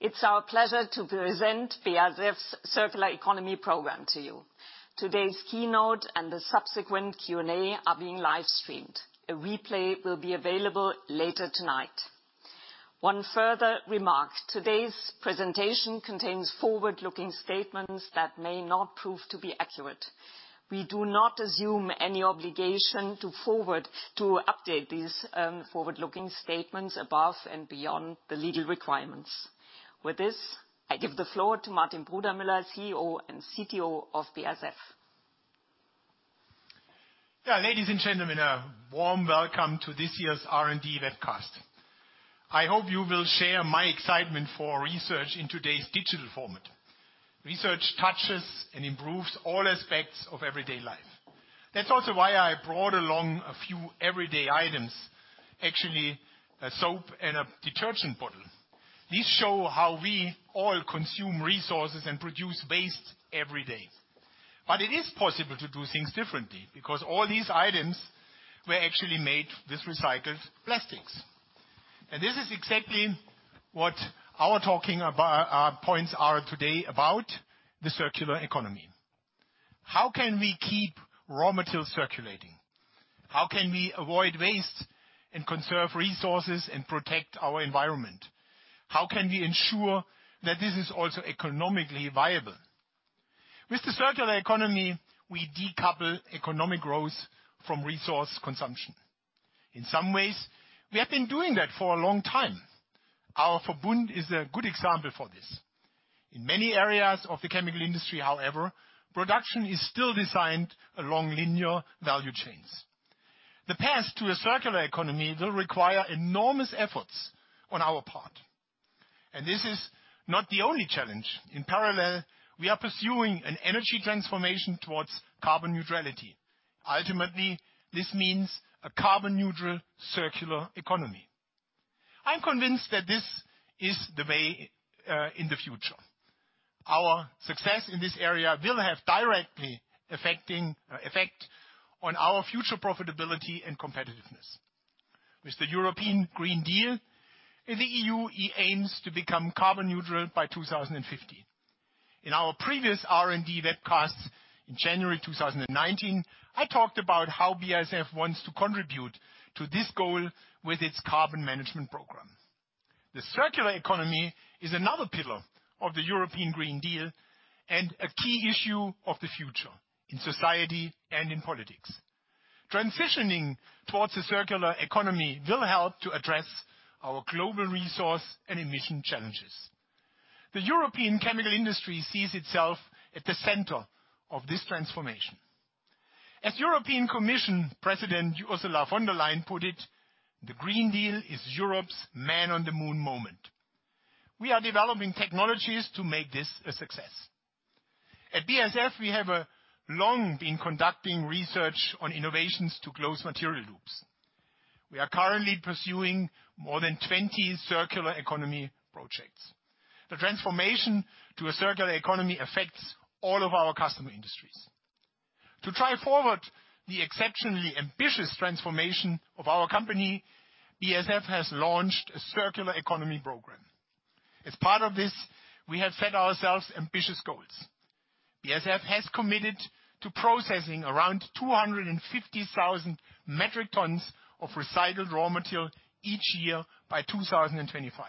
It's our pleasure to present BASF's Circular Economy Program to you. Today's keynote and the subsequent Q&A are being live-streamed. A replay will be available later tonight. One further remark, today's presentation contains forward-looking statements that may not prove to be accurate. We do not assume any obligation to update these forward-looking statements above and beyond the legal requirements. With this, I give the floor to Martin Brudermüller, CEO and CTO of BASF. Ladies and gentlemen, a warm welcome to this year's R&D webcast. I hope you will share my excitement for research in today's digital format. Research touches and improves all aspects of everyday life. That's also why I brought along a few everyday items. Actually, a soap and a detergent bottle. These show how we all consume resources and produce waste every day. It is possible to do things differently, because all these items were actually made with recycled plastics. This is exactly what our talking points are today about the circular economy. How can we keep raw materials circulating? How can we avoid waste and conserve resources and protect our environment? How can we ensure that this is also economically viable? With the circular economy, we decouple economic growth from resource consumption. In some ways, we have been doing that for a long time. Our Verbund is a good example of this. In many areas of the chemical industry, however, production is still designed along linear value chains. The path to a circular economy will require enormous efforts on our part. This is not the only challenge. In parallel, we are pursuing an energy transformation towards carbon neutrality. Ultimately, this means a carbon-neutral circular economy. I'm convinced that this is the way in the future. Our success in this area will have a direct effect on our future profitability and competitiveness. With the European Green Deal in the EU, it aims to become carbon neutral by 2050. In our previous R&D webcast in January 2019, I talked about how BASF wants to contribute to this goal with its carbon management program. The circular economy is another pillar of the European Green Deal and a key issue of the future in society and in politics. Transitioning towards a circular economy will help to address our global resource and emission challenges. The European chemical industry sees itself at the center of this transformation. As European Commission President Ursula von der Leyen put it, the Green Deal is Europe's man on the moon moment. We are developing technologies to make this a success. At BASF, we have long been conducting research on innovations to close material loops. We are currently pursuing more than 20 circular economy projects. The transformation to a circular economy affects all of our customer industries. To drive forward the exceptionally ambitious transformation of our company, BASF has launched a circular economy program. As part of this, we have set ourselves ambitious goals. BASF has committed to processing around 250,000 metric tons of recycled raw material each year by 2025.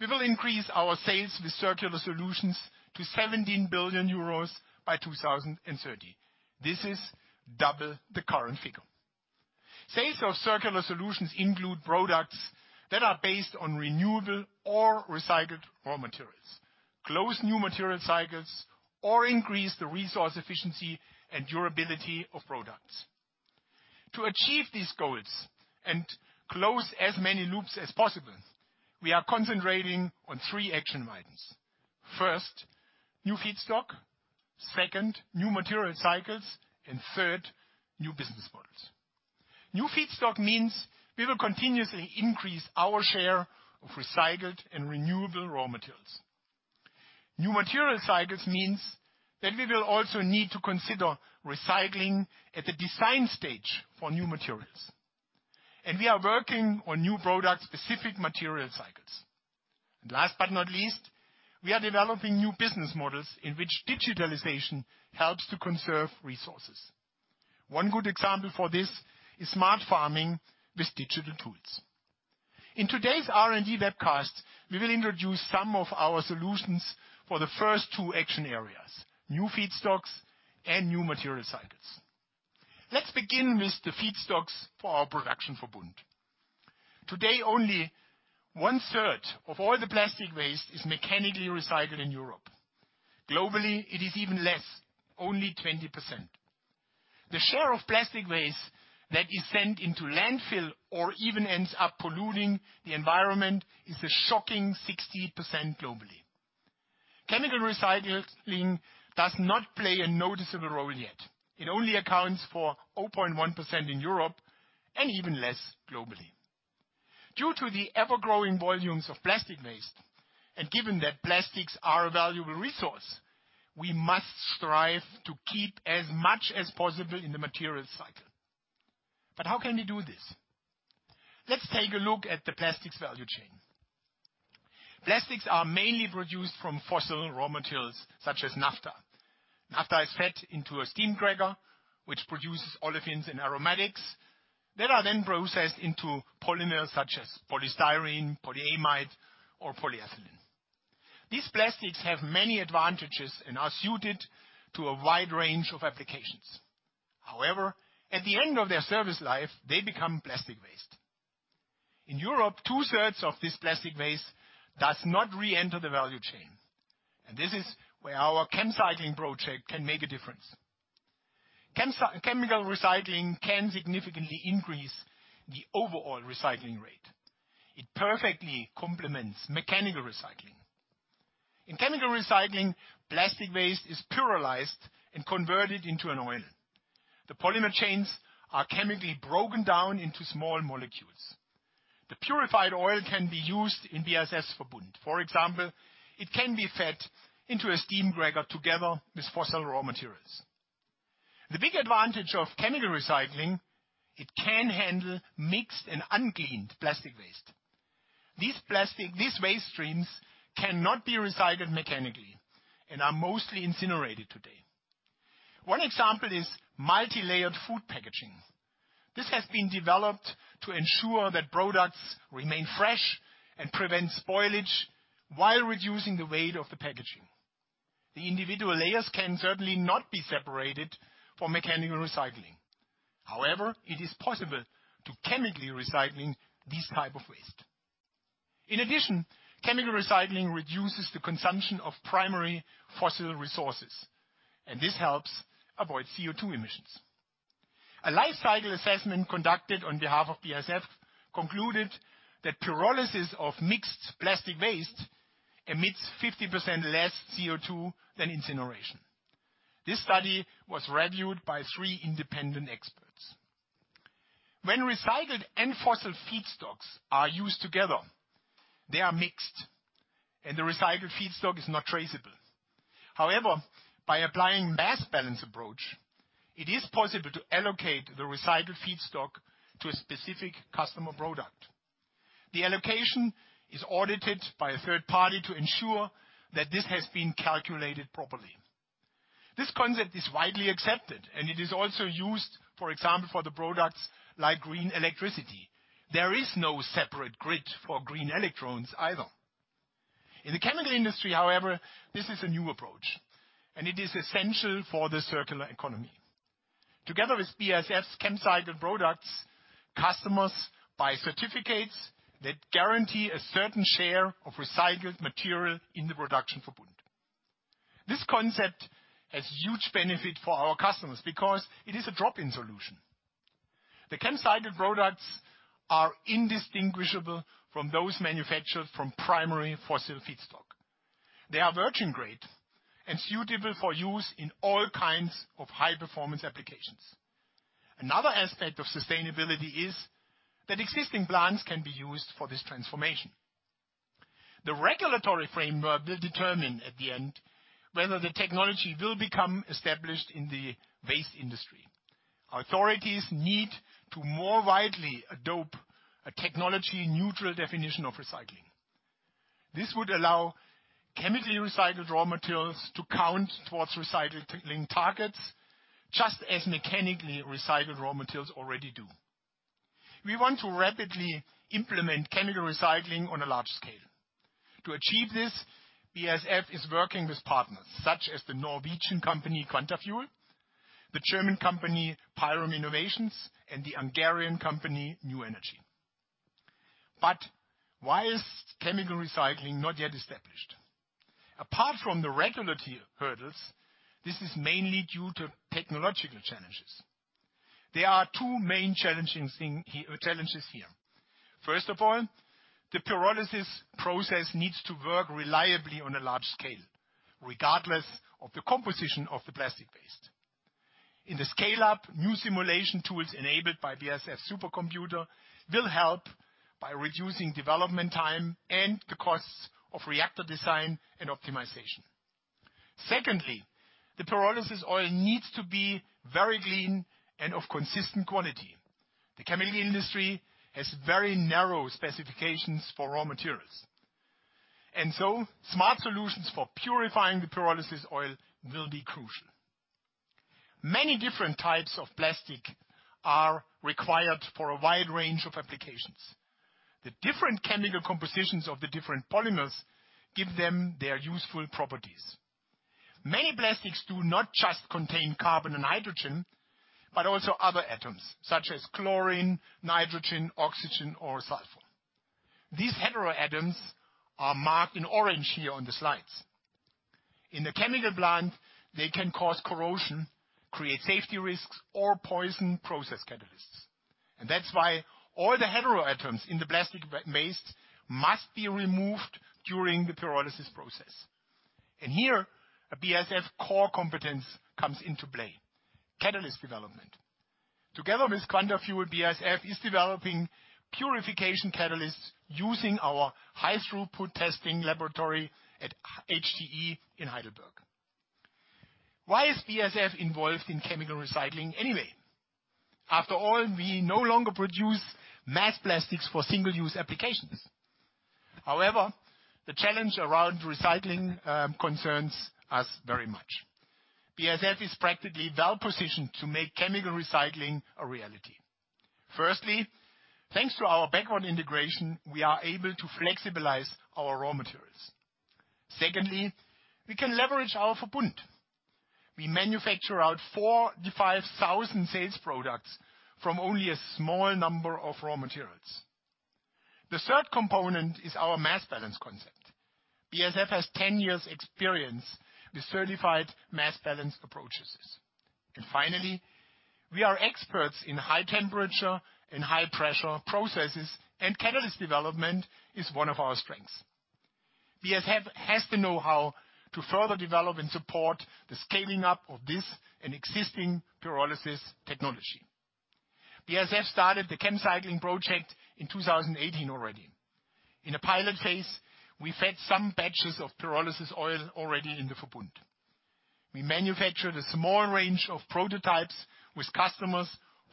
We will increase our sales with circular solutions to 17 billion euros by 2030. This is double the current figure. Sales of circular solutions include products that are based on renewable or recycled raw materials, close new material cycles, or increase the resource efficiency and durability of products. To achieve these goals and close as many loops as possible, we are concentrating on three action items. First, new feedstock, second, new material cycles, and third, new business models. New feedstock means we will continuously increase our share of recycled and renewable raw materials. New material cycles means that we will also need to consider recycling at the design stage for new materials. We are working on new product-specific material cycles. Last but not least, we are developing new business models in which digitalization helps to conserve resources. One good example of this is smart farming with digital tools. In today's R&D webcast, we will introduce some of our solutions for the first two action areas, new feedstocks and new material cycles. Let's begin with the feedstocks for our production Verbund. Today, only 1/3 of all plastic waste is mechanically recycled in Europe. Globally, it is even less, only 20%. The share of plastic waste that is sent to landfill or even ends up polluting the environment is a shocking 60% globally. Chemical recycling does not play a noticeable role yet. It only accounts for 0.1% in Europe and even less globally. Due to the ever-growing volumes of plastic waste, and given that plastics are a valuable resource, we must strive to keep as much as possible in the material cycle. How can we do this? Let's take a look at the plastics value chain. Plastics are mainly produced from fossil raw materials such as naphtha. Naphtha is fed into a steam cracker, which produces olefins and aromatics that are then processed into polymers such as polystyrene, polyamide, or polyethylene. These plastics have many advantages and are suited to a wide range of applications. However, at the end of their service life, they become plastic waste. In Europe, 2/3 of this plastic waste does not re-enter the value chain, and this is where our ChemCycling project can make a difference. Chemical recycling can significantly increase the overall recycling rate. It perfectly complements mechanical recycling. In chemical recycling, plastic waste is pyrolyzed and converted into an oil. The polymer chains are chemically broken down into small molecules. The purified oil can be used in BASF Verbund. For example, it can be fed into a steam cracker together with fossil raw materials. The big advantage of chemical recycling. It can handle mixed and uncleaned plastic waste. These waste streams cannot be recycled mechanically and are mostly incinerated today. One example is multilayered food packaging. This has been developed to ensure that products remain fresh and prevent spoilage while reducing the weight of the packaging. The individual layers can certainly not be separated for mechanical recycling. However, it is possible to chemically recycling this type of waste. In addition, chemical recycling reduces the consumption of primary fossil resources, and this helps avoid CO2 emissions. A life cycle assessment conducted on behalf of BASF concluded that pyrolysis of mixed plastic waste emits 50% less CO2 than incineration. This study was reviewed by three independent experts. When recycled and fossil feedstocks are used together, they are mixed, and the recycled feedstock is not traceable. However, by applying mass balance approach, it is possible to allocate the recycled feedstock to a specific customer product. The allocation is audited by a third party to ensure that this has been calculated properly. This concept is widely accepted, and it is also used, for example, for the products like green electricity. There is no separate grid for green electrons either. In the chemical industry, however, this is a new approach, and it is essential for the circular economy. Together with BASF's ChemCycling products, customers buy certificates that guarantee a certain share of recycled material in the production Verbund. This concept has huge benefit for our customers because it is a drop-in solution. The ChemCycling products are indistinguishable from those manufactured from primary fossil feedstock. They are virgin grade and suitable for use in all kinds of high-performance applications. Another aspect of sustainability is that existing plants can be used for this transformation. The regulatory framework will determine at the end whether the technology will become established in the waste industry. Authorities need to more widely adopt a technology-neutral definition of recycling. This would allow chemically recycled raw materials to count towards recycling targets, just as mechanically recycled raw materials already do. We want to rapidly implement chemical recycling on a large scale. To achieve this, BASF is working with partners such as the Norwegian company Quantafuel, the German company Pyrum Innovations, and the Hungarian company New Energy. Why is chemical recycling not yet established? Apart from the regulatory hurdles, this is mainly due to technological challenges. There are two main challenges here. First of all, the pyrolysis process needs to work reliably on a large scale, regardless of the composition of the plastic waste. In the scale-up, new simulation tools enabled by BASF supercomputer will help by reducing development time and the costs of reactor design and optimization. Secondly, the pyrolysis oil needs to be very clean and of consistent quality. The chemical industry has very narrow specifications for raw materials, and so smart solutions for purifying the pyrolysis oil will be crucial. Many different types of plastic are required for a wide range of applications. The different chemical compositions of the different polymers give them their useful properties. Many plastics do not just contain carbon and hydrogen, but also other atoms, such as chlorine, nitrogen, oxygen, or sulfur. These heteroatoms are marked in orange here on the slides. In the chemical plant, they can cause corrosion, create safety risks, or poison process catalysts. That's why all the heteroatoms in the plastic waste must be removed during the pyrolysis process. Here, a BASF core competence comes into play, catalyst development. Together with Quantafuel, BASF is developing purification catalysts using our high-throughput testing laboratory at hte GmbH in Heidelberg. Why is BASF involved in chemical recycling anyway? After all, we no longer produce mass plastics for single-use applications. However, the challenge around recycling concerns us very much. BASF is practically well-positioned to make chemical recycling a reality. Firstly, thanks to our backward integration, we are able to flexibilize our raw materials. Secondly, we can leverage our Verbund. We manufacture out 45,000 sales products from only a small number of raw materials. The third component is our mass balance concept. BASF has 10 years experience with certified mass balance approaches. Finally, we are experts in high temperature and high pressure processes, and catalyst development is one of our strengths. BASF has the knowhow to further develop and support the scaling up of this and existing pyrolysis technology. BASF started the ChemCycling project in 2018 already. In a pilot phase, we fed some batches of pyrolysis oil already in the Verbund. We manufactured a small range of prototypes with customers.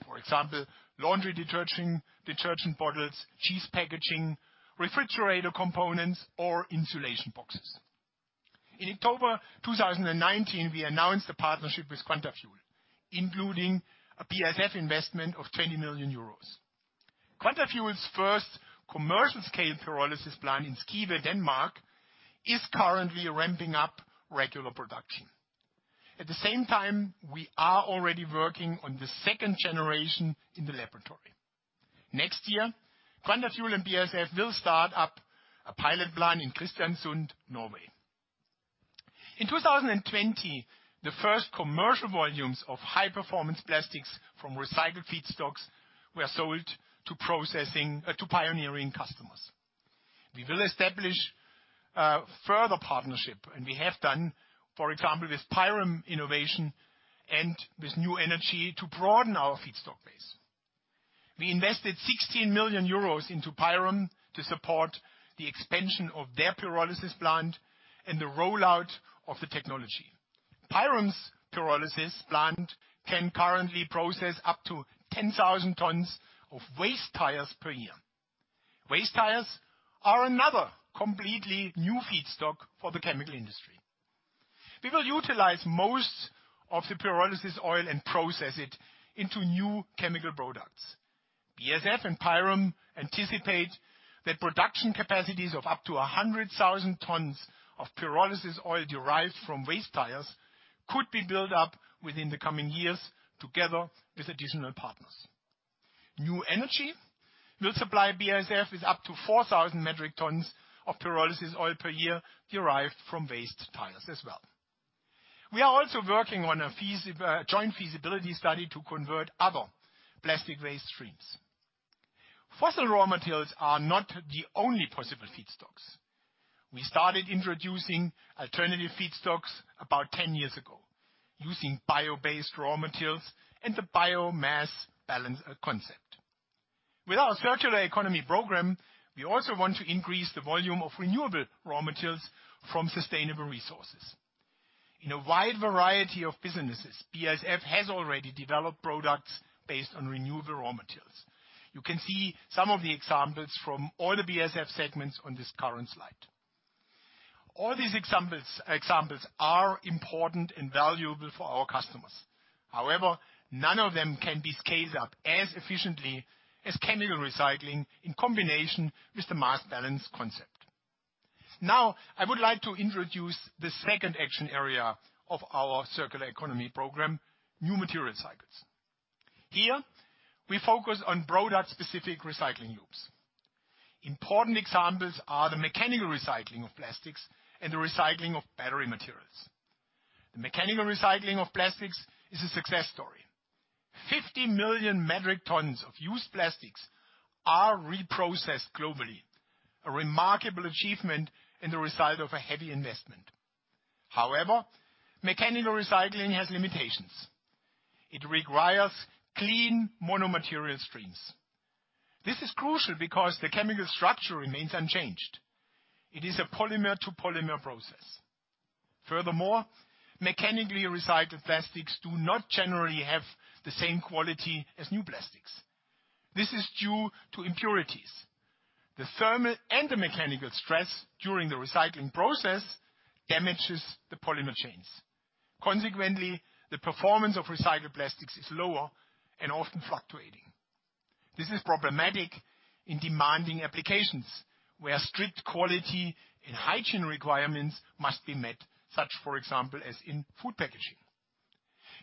For example, laundry detergent bottles, cheese packaging, refrigerator components, or insulation boxes. In October 2019, we announced a partnership with Quantafuel, including a BASF investment of 20 million euros. Quantafuel's first commercial-scale pyrolysis plant in Skive, Denmark, is currently ramping up regular production. At the same time, we are already working on the second generation in the laboratory. Next year, Quantafuel and BASF will start up a pilot plant in Kristiansund, Norway. In 2020, the first commercial volumes of high-performance plastics from recycled feedstocks were sold to pioneering customers. We will establish further partnership, we have done, for example, with Pyrum Innovations and with New Energy to broaden our feedstock base. We invested 16 million euros into Pyrum to support the expansion of their pyrolysis plant and the rollout of the technology. Pyrum's pyrolysis plant can currently process up to 10,000 tons of waste tires per year. Waste tires are another completely new feedstock for the chemical industry. We will utilize most of the pyrolysis oil and process it into new chemical products. BASF and Pyrum anticipate that production capacities of up to 100,000 tons of pyrolysis oil derived from waste tires could be built up within the coming years together with additional partners. New Energy will supply BASF with up to 4,000 metric tons of pyrolysis oil per year derived from waste tires as well. We are also working on a joint feasibility study to convert other plastic waste streams. Fossil raw materials are not the only possible feedstocks. We started introducing alternative feedstocks about 10 years ago using bio-based raw materials and the biomass balance concept. With our circular economy program, we also want to increase the volume of renewable raw materials from sustainable resources. In a wide variety of businesses, BASF has already developed products based on renewable raw materials. You can see some of the examples from all the BASF segments on this current slide. All these examples are important and valuable for our customers. However, none of them can be scaled up as efficiently as chemical recycling in combination with the mass balance concept. I would like to introduce the second action area of our circular economy program, new material cycles. Here, we focus on product-specific recycling loops. Important examples are the mechanical recycling of plastics and the recycling of battery materials. The mechanical recycling of plastics is a success story. 50 million metric tons of used plastics are reprocessed globally, a remarkable achievement and the result of a heavy investment. Mechanical recycling has limitations. It requires clean mono-material streams. This is crucial because the chemical structure remains unchanged. It is a polymer-to-polymer process. Mechanically recycled plastics do not generally have the same quality as new plastics. This is due to impurities. The thermal and the mechanical stress during the recycling process damages the polymer chains. The performance of recycled plastics is lower and often fluctuating. This is problematic in demanding applications where strict quality and hygiene requirements must be met, such for example as in food packaging.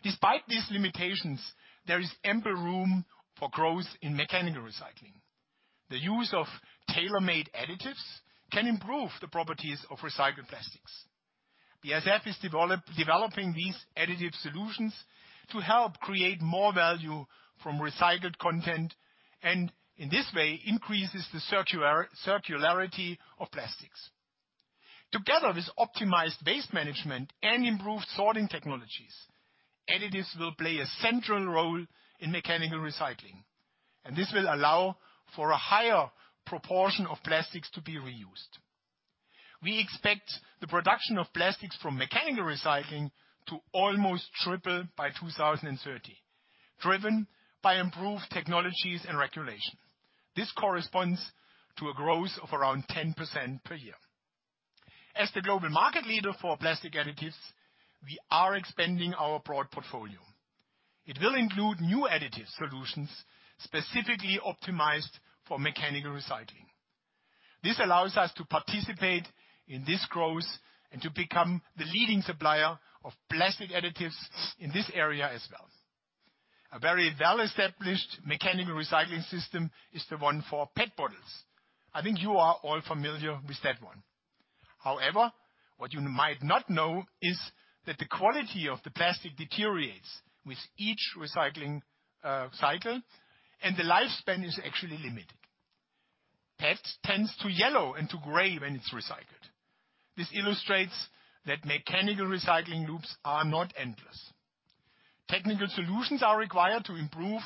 Despite these limitations, there is ample room for growth in mechanical recycling. The use of tailor-made additives can improve the properties of recycled plastics. BASF is developing these additive solutions to help create more value from recycled content and, in this way, increases the circularity of plastics. Together with optimized waste management and improved sorting technologies additives will play a central role in mechanical recycling, and this will allow for a higher proportion of plastics to be reused. We expect the production of plastics from mechanical recycling to almost triple by 2030, driven by improved technologies and regulation. This corresponds to a growth of around 10% per year. As the global market leader for plastic additives, we are expanding our broad portfolio. It will include new additive solutions, specifically optimized for mechanical recycling. This allows us to participate in this growth and to become the leading supplier of plastic additives in this area as well. A very well-established mechanical recycling system is the one for PET bottles. I think you are all familiar with that one. What you might not know is that the quality of the plastic deteriorates with each recycling cycle, and the lifespan is actually limited. PET tends to yellow and to gray when it's recycled. This illustrates that mechanical recycling loops are not endless. Technical solutions are required to improve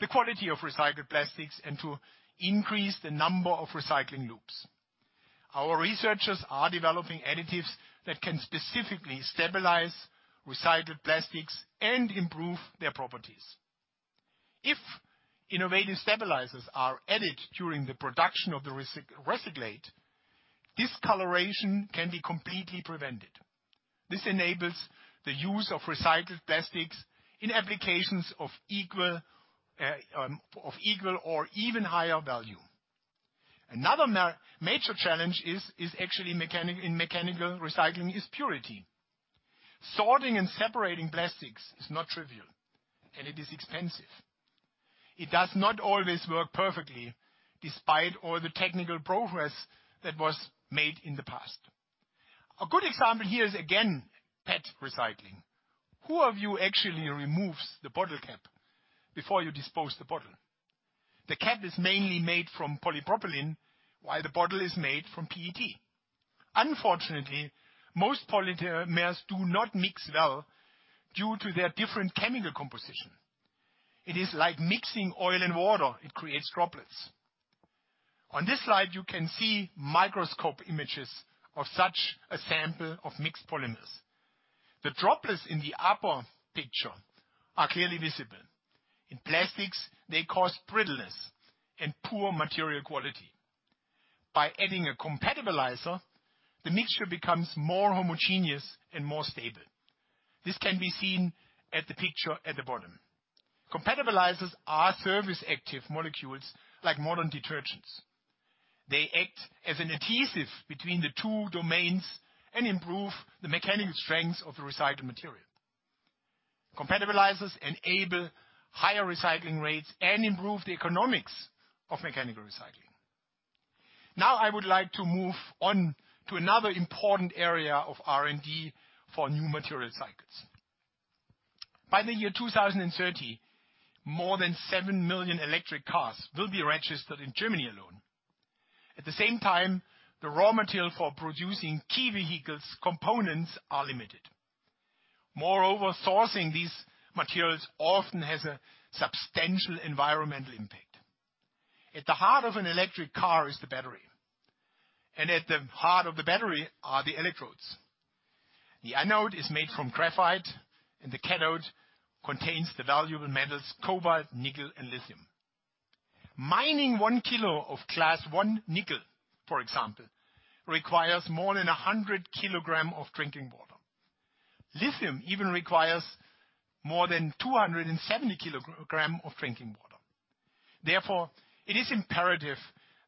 the quality of recycled plastics and to increase the number of recycling loops. Our researchers are developing additives that can specifically stabilize recycled plastics and improve their properties. If innovative stabilizers are added during the production of the recyclate, discoloration can be completely prevented. This enables the use of recycled plastics in applications of equal or even higher value. Another major challenge is actually in mechanical recycling is purity. Sorting and separating plastics is not trivial, and it is expensive. It does not always work perfectly despite all the technical progress that was made in the past. A good example here is again, PET recycling. Who of you actually removes the bottle cap before you dispose the bottle? The cap is mainly made from polypropylene, while the bottle is made from PET. Unfortunately, most polymers do not mix well due to their different chemical composition. It is like mixing oil and water. It creates droplets. On this slide, you can see microscope images of such a sample of mixed polymers. The droplets in the upper picture are clearly visible. In plastics, they cause brittleness and poor material quality. By adding a compatibilizer, the mixture becomes more homogeneous and more stable. This can be seen at the picture at the bottom. Compatibilizers are surface-active molecules like modern detergents. They act as an adhesive between the two domains and improve the mechanical strength of the recycled material. Compatibilizers enable higher recycling rates and improve the economics of mechanical recycling. I would like to move on to another important area of R&D for new material cycles. By the year 2030, more than seven million electric cars will be registered in Germany alone. At the same time, the raw material for producing key vehicles components are limited. Moreover, sourcing these materials often has a substantial environmental impact. At the heart of an electric car is the battery, and at the heart of the battery are the electrodes. The anode is made from graphite, and the cathode contains the valuable metals, cobalt, nickel, and lithium. Mining 1 kg of class 1 nickel, for example, requires more than 100 kg of drinking water. Lithium even requires more than 270 kg of drinking water. Therefore, it is imperative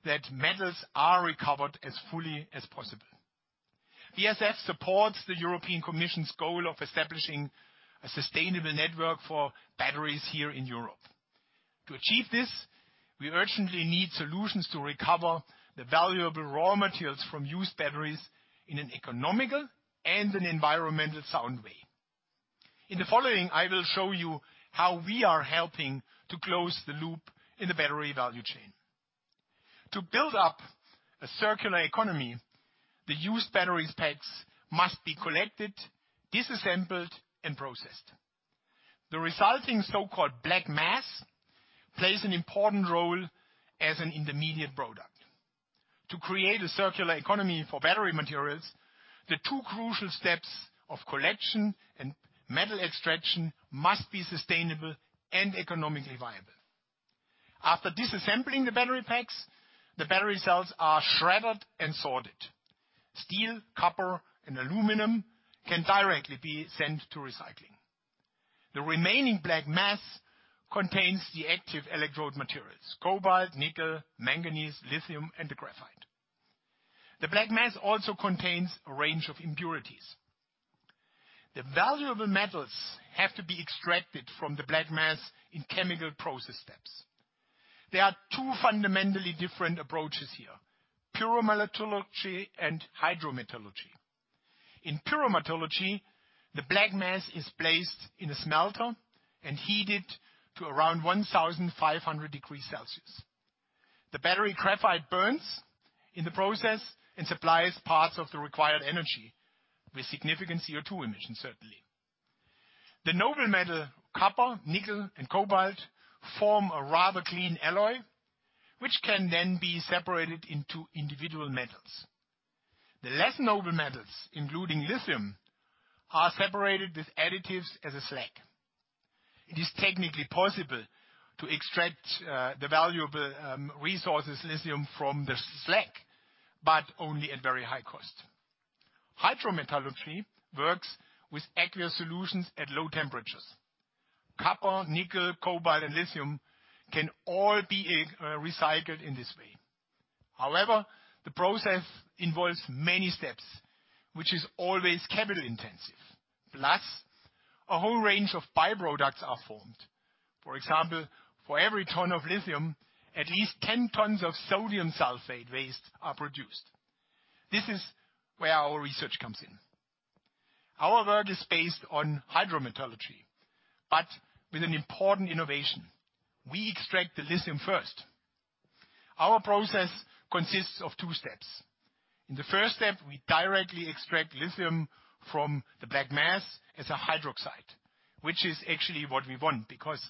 that metals are recovered as fully as possible. BASF supports the European Commission's goal of establishing a sustainable network for batteries here in Europe. To achieve this, we urgently need solutions to recover the valuable raw materials from used batteries in an economical and an environmental sound way. In the following, I will show you how we are helping to close the loop in the battery value chain. To build up a circular economy, the used battery packs must be collected, disassembled, and processed. The resulting so-called black mass plays an important role as an intermediate product. To create a circular economy for battery materials, the two crucial steps of collection and metal extraction must be sustainable and economically viable. After disassembling the battery packs, the battery cells are shredded and sorted. Steel, copper, and aluminum can directly be sent to recycling. The remaining black mass contains the active electrode materials, cobalt, nickel, manganese, lithium, and the graphite. The black mass also contains a range of impurities. The valuable metals have to be extracted from the black mass in chemical process steps. There are two fundamentally different approaches here, pyrometallurgy and hydrometallurgy. In pyrometallurgy, the black mass is placed in a smelter and heated to around 1,500 degrees Celsius. The battery graphite burns in the process and supplies parts of the required energy with significant CO2 emissions, certainly. The noble metal, copper, nickel, and cobalt form a rather clean alloy, which can then be separated into individual metals. The less noble metals, including lithium, are separated with additives as a slag. It is technically possible to extract the valuable resources lithium from the slag, but only at very high cost. Hydrometallurgy works with aqueous solutions at low temperatures. Copper, nickel, cobalt, and lithium can all be recycled in this way. However, the process involves many steps, which is always capital intensive. Plus, a whole range of byproducts are formed. For example, for every ton of lithium, at least 10 tons of sodium sulfate waste are produced. This is where our research comes in. Our work is based on hydrometallurgy, but with an important innovation. We extract the lithium first. Our process consists of two steps. In the first step, we directly extract lithium from the black mass as a hydroxide, which is actually what we want because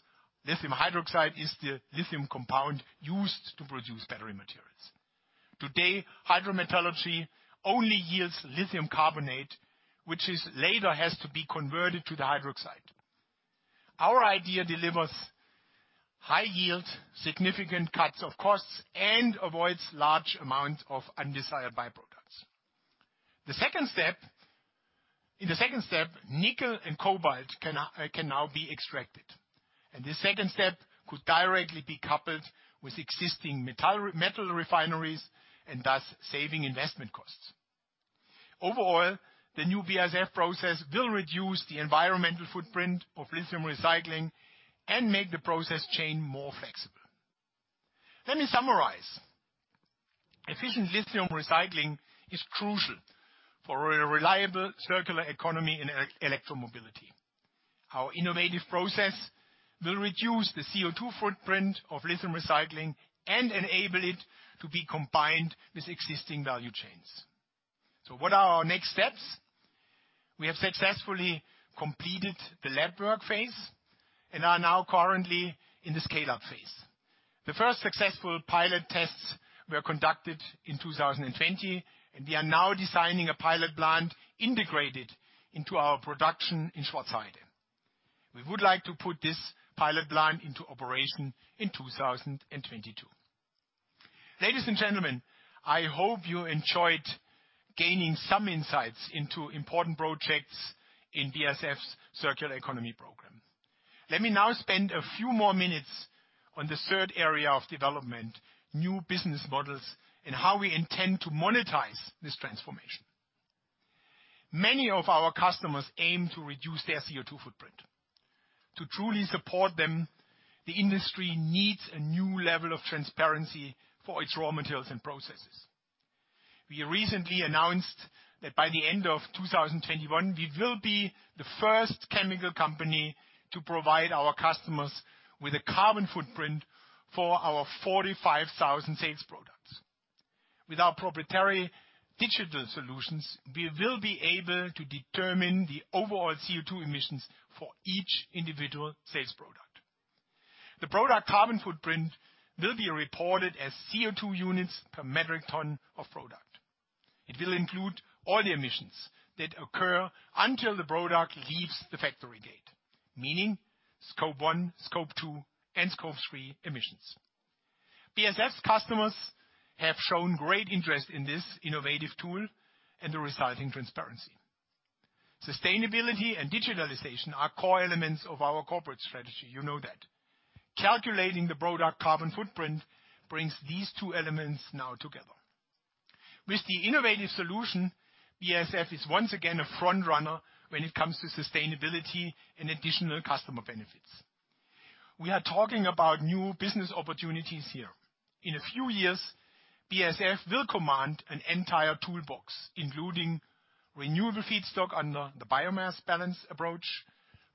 lithium hydroxide is the lithium compound used to produce battery materials. Today, hydrometallurgy only yields lithium carbonate, which later has to be converted to the hydroxide. Our idea delivers high yield, significant cuts of costs, and avoids large amount of undesired byproducts. In the second step, nickel and cobalt can now be extracted, this second step could directly be coupled with existing metal refineries and thus saving investment costs. Overall, the new BASF process will reduce the environmental footprint of lithium recycling and make the process chain more flexible. Let me summarize. Efficient lithium recycling is crucial for a reliable circular economy in electromobility. Our innovative process will reduce the CO2 footprint of lithium recycling and enable it to be combined with existing value chains. What are our next steps? We have successfully completed the lab work phase and are now currently in the scale-up phase. The first successful pilot tests were conducted in 2020. We are now designing a pilot plant integrated into our production in Schwarzheide. We would like to put this pilot plant into operation in 2022. Ladies and gentlemen, I hope you enjoyed gaining some insights into important projects in BASF's circular economy program. Let me now spend a few more minutes on the third area of development, new business models. How we intend to monetize this transformation. Many of our customers aim to reduce their CO2 footprint. To truly support them, the industry needs a new level of transparency for its raw materials and processes. We recently announced that by the end of 2021, we will be the first chemical company to provide our customers with a carbon footprint for our 45,000 sales products. With our proprietary digital solutions, we will be able to determine the overall CO2 emissions for each individual sales product. The product carbon footprint will be reported as CO2 units per metric ton of product. It will include all the emissions that occur until the product leaves the factory gate, meaning Scope 1, Scope 2, and Scope 3 emissions. BASF's customers have shown great interest in this innovative tool and the resulting transparency. Sustainability and digitalization are core elements of our corporate strategy, you know that. Calculating the product carbon footprint brings these two elements now together. With the innovative solution, BASF is once again a frontrunner when it comes to sustainability and additional customer benefits. We are talking about new business opportunities here. In a few years, BASF will command an entire toolbox, including renewable feedstock under the biomass balance approach,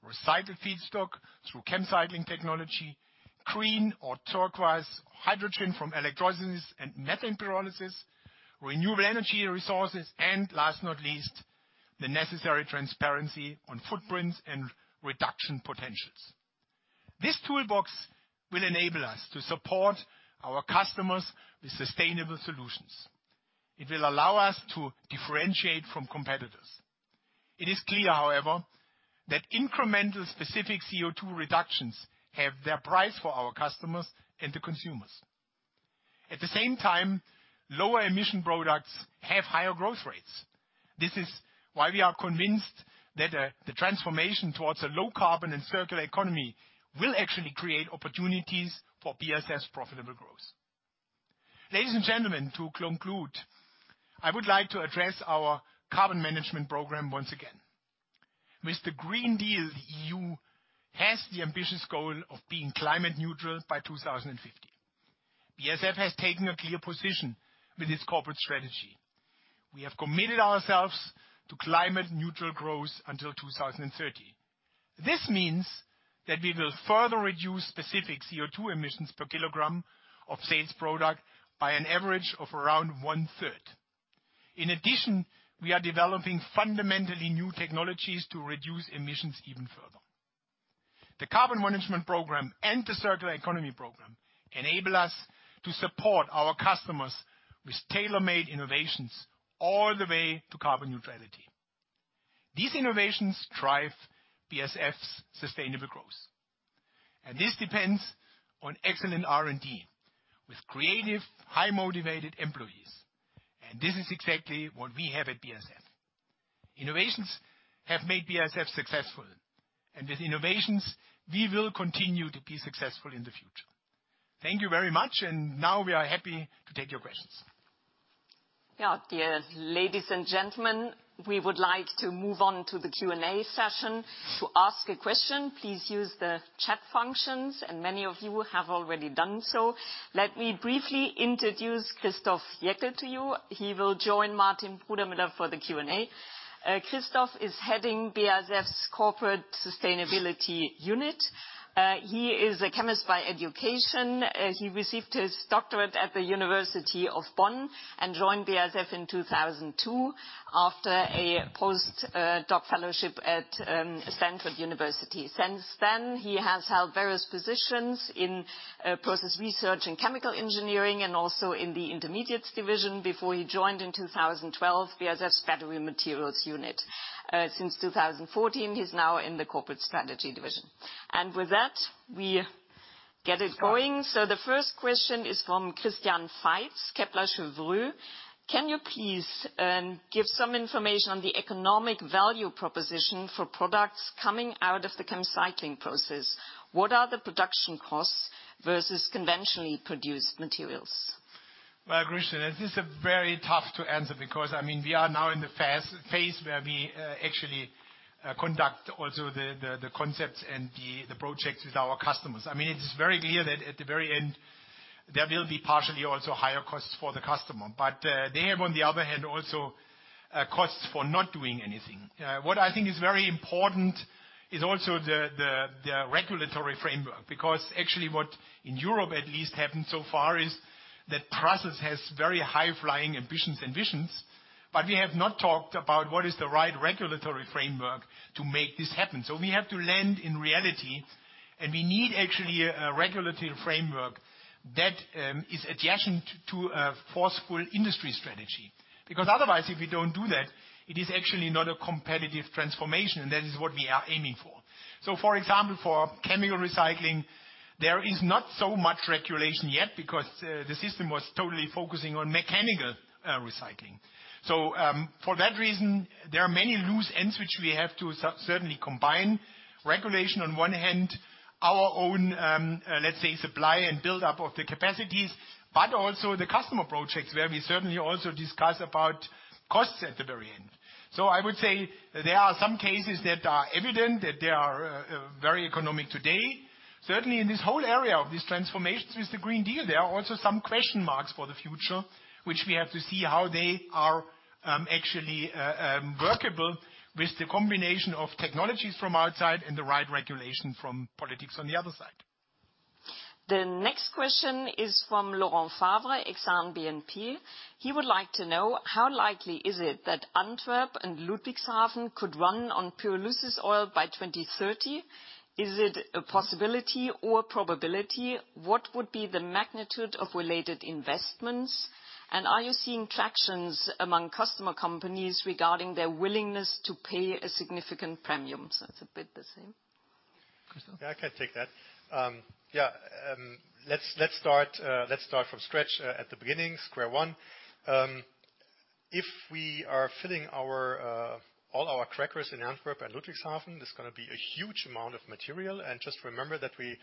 recycled feedstock through ChemCycling technology, green or turquoise hydrogen from electrolysis and methane pyrolysis, renewable energy resources, and last not least, the necessary transparency on footprints and reduction potentials. This toolbox will enable us to support our customers with sustainable solutions. It will allow us to differentiate from competitors. It is clear, however, that incremental specific CO2 reductions have their price for our customers and the consumers. At the same time, lower emission products have higher growth rates. This is why we are convinced that the transformation towards a low carbon and circular economy will actually create opportunities for BASF's profitable growth. Ladies and gentlemen, to conclude, I would like to address our carbon management program once again. With the Green Deal, the EU has the ambitious goal of being climate neutral by 2050. BASF has taken a clear position with its corporate strategy. We have committed ourselves to climate neutral growth until 2030. This means that we will further reduce specific CO2 emissions per kilogram of sales product by an average of around 1/3. We are developing fundamentally new technologies to reduce emissions even further. The carbon management program and the circular economy program enable us to support our customers with tailor-made innovations all the way to carbon neutrality. These innovations drive BASF's sustainable growth. This depends on excellent R&D with creative, high-motivated employees. This is exactly what we have at BASF. Innovations have made BASF successful. With innovations, we will continue to be successful in the future. Thank you very much. Now we are happy to take your questions. Yeah. Dear ladies and gentlemen, we would like to move on to the Q&A session. To ask a question, please use the chat functions and many of you have already done so. Let me briefly introduce Christoph Jaekel to you. He will join Martin Brudermüller for the Q&A. Christoph is heading BASF's corporate sustainability unit. He is a chemist by education. He received his doctorate at the University of Bonn and joined BASF in 2002 after a postdoc fellowship at Stanford University. Since then, he has held various positions in process research and chemical engineering, and also in the intermediates division before he joined in 2012, BASF's battery materials unit. Since 2014, he's now in the corporate strategy division. With that, we get it going. The first question is from Christian Faitz, Kepler Cheuvreux. Can you please, give some information on the economic value proposition for products coming out of the ChemCycling process? What are the production costs versus conventionally produced materials? Christian, this is very tough to answer because we are now in the phase where we actually conduct also the concepts and the projects with our customers. It's very clear that at the very end, there will be partially also higher costs for the customer. They have, on the other hand, also costs for not doing anything. What I think is very important is also the regulatory framework. Actually what in Europe at least happened so far is that progress has very high-flying ambitions and visions, but we have not talked about what is the right regulatory framework to make this happen. We have to land in reality, and we need actually a regulatory framework that is adjacent to a forceful industry strategy. Otherwise, if we don't do that, it is actually not a competitive transformation, and that is what we are aiming for. For example, for chemical recycling, there is not so much regulation yet because the system was totally focusing on mechanical recycling. For that reason, there are many loose ends which we have to certainly combine. Regulation on one hand, our own, let's say supply and buildup of the capacities, but also the customer projects where we certainly also discuss about costs at the very end. I would say there are some cases that are evident that they are very economic today. Certainly in this whole area of these transformations with the Green Deal, there are also some question marks for the future, which we have to see how they are actually workable with the combination of technologies from outside and the right regulation from politics on the other side. The next question is from Laurent Favre, Exane BNP. He would like to know how likely is it that Antwerp and Ludwigshafen could run on pyrolysis oil by 2030. Is it a possibility or probability? What would be the magnitude of related investments? Are you seeing tractions among customer companies regarding their willingness to pay a significant premium? It's a bit the same. Christoph. Yeah, I can take that. Let's start from scratch, at the beginning, square one. If we are filling all our crackers in Antwerp and Ludwigshafen, it's going to be a huge amount of material. Just remember that we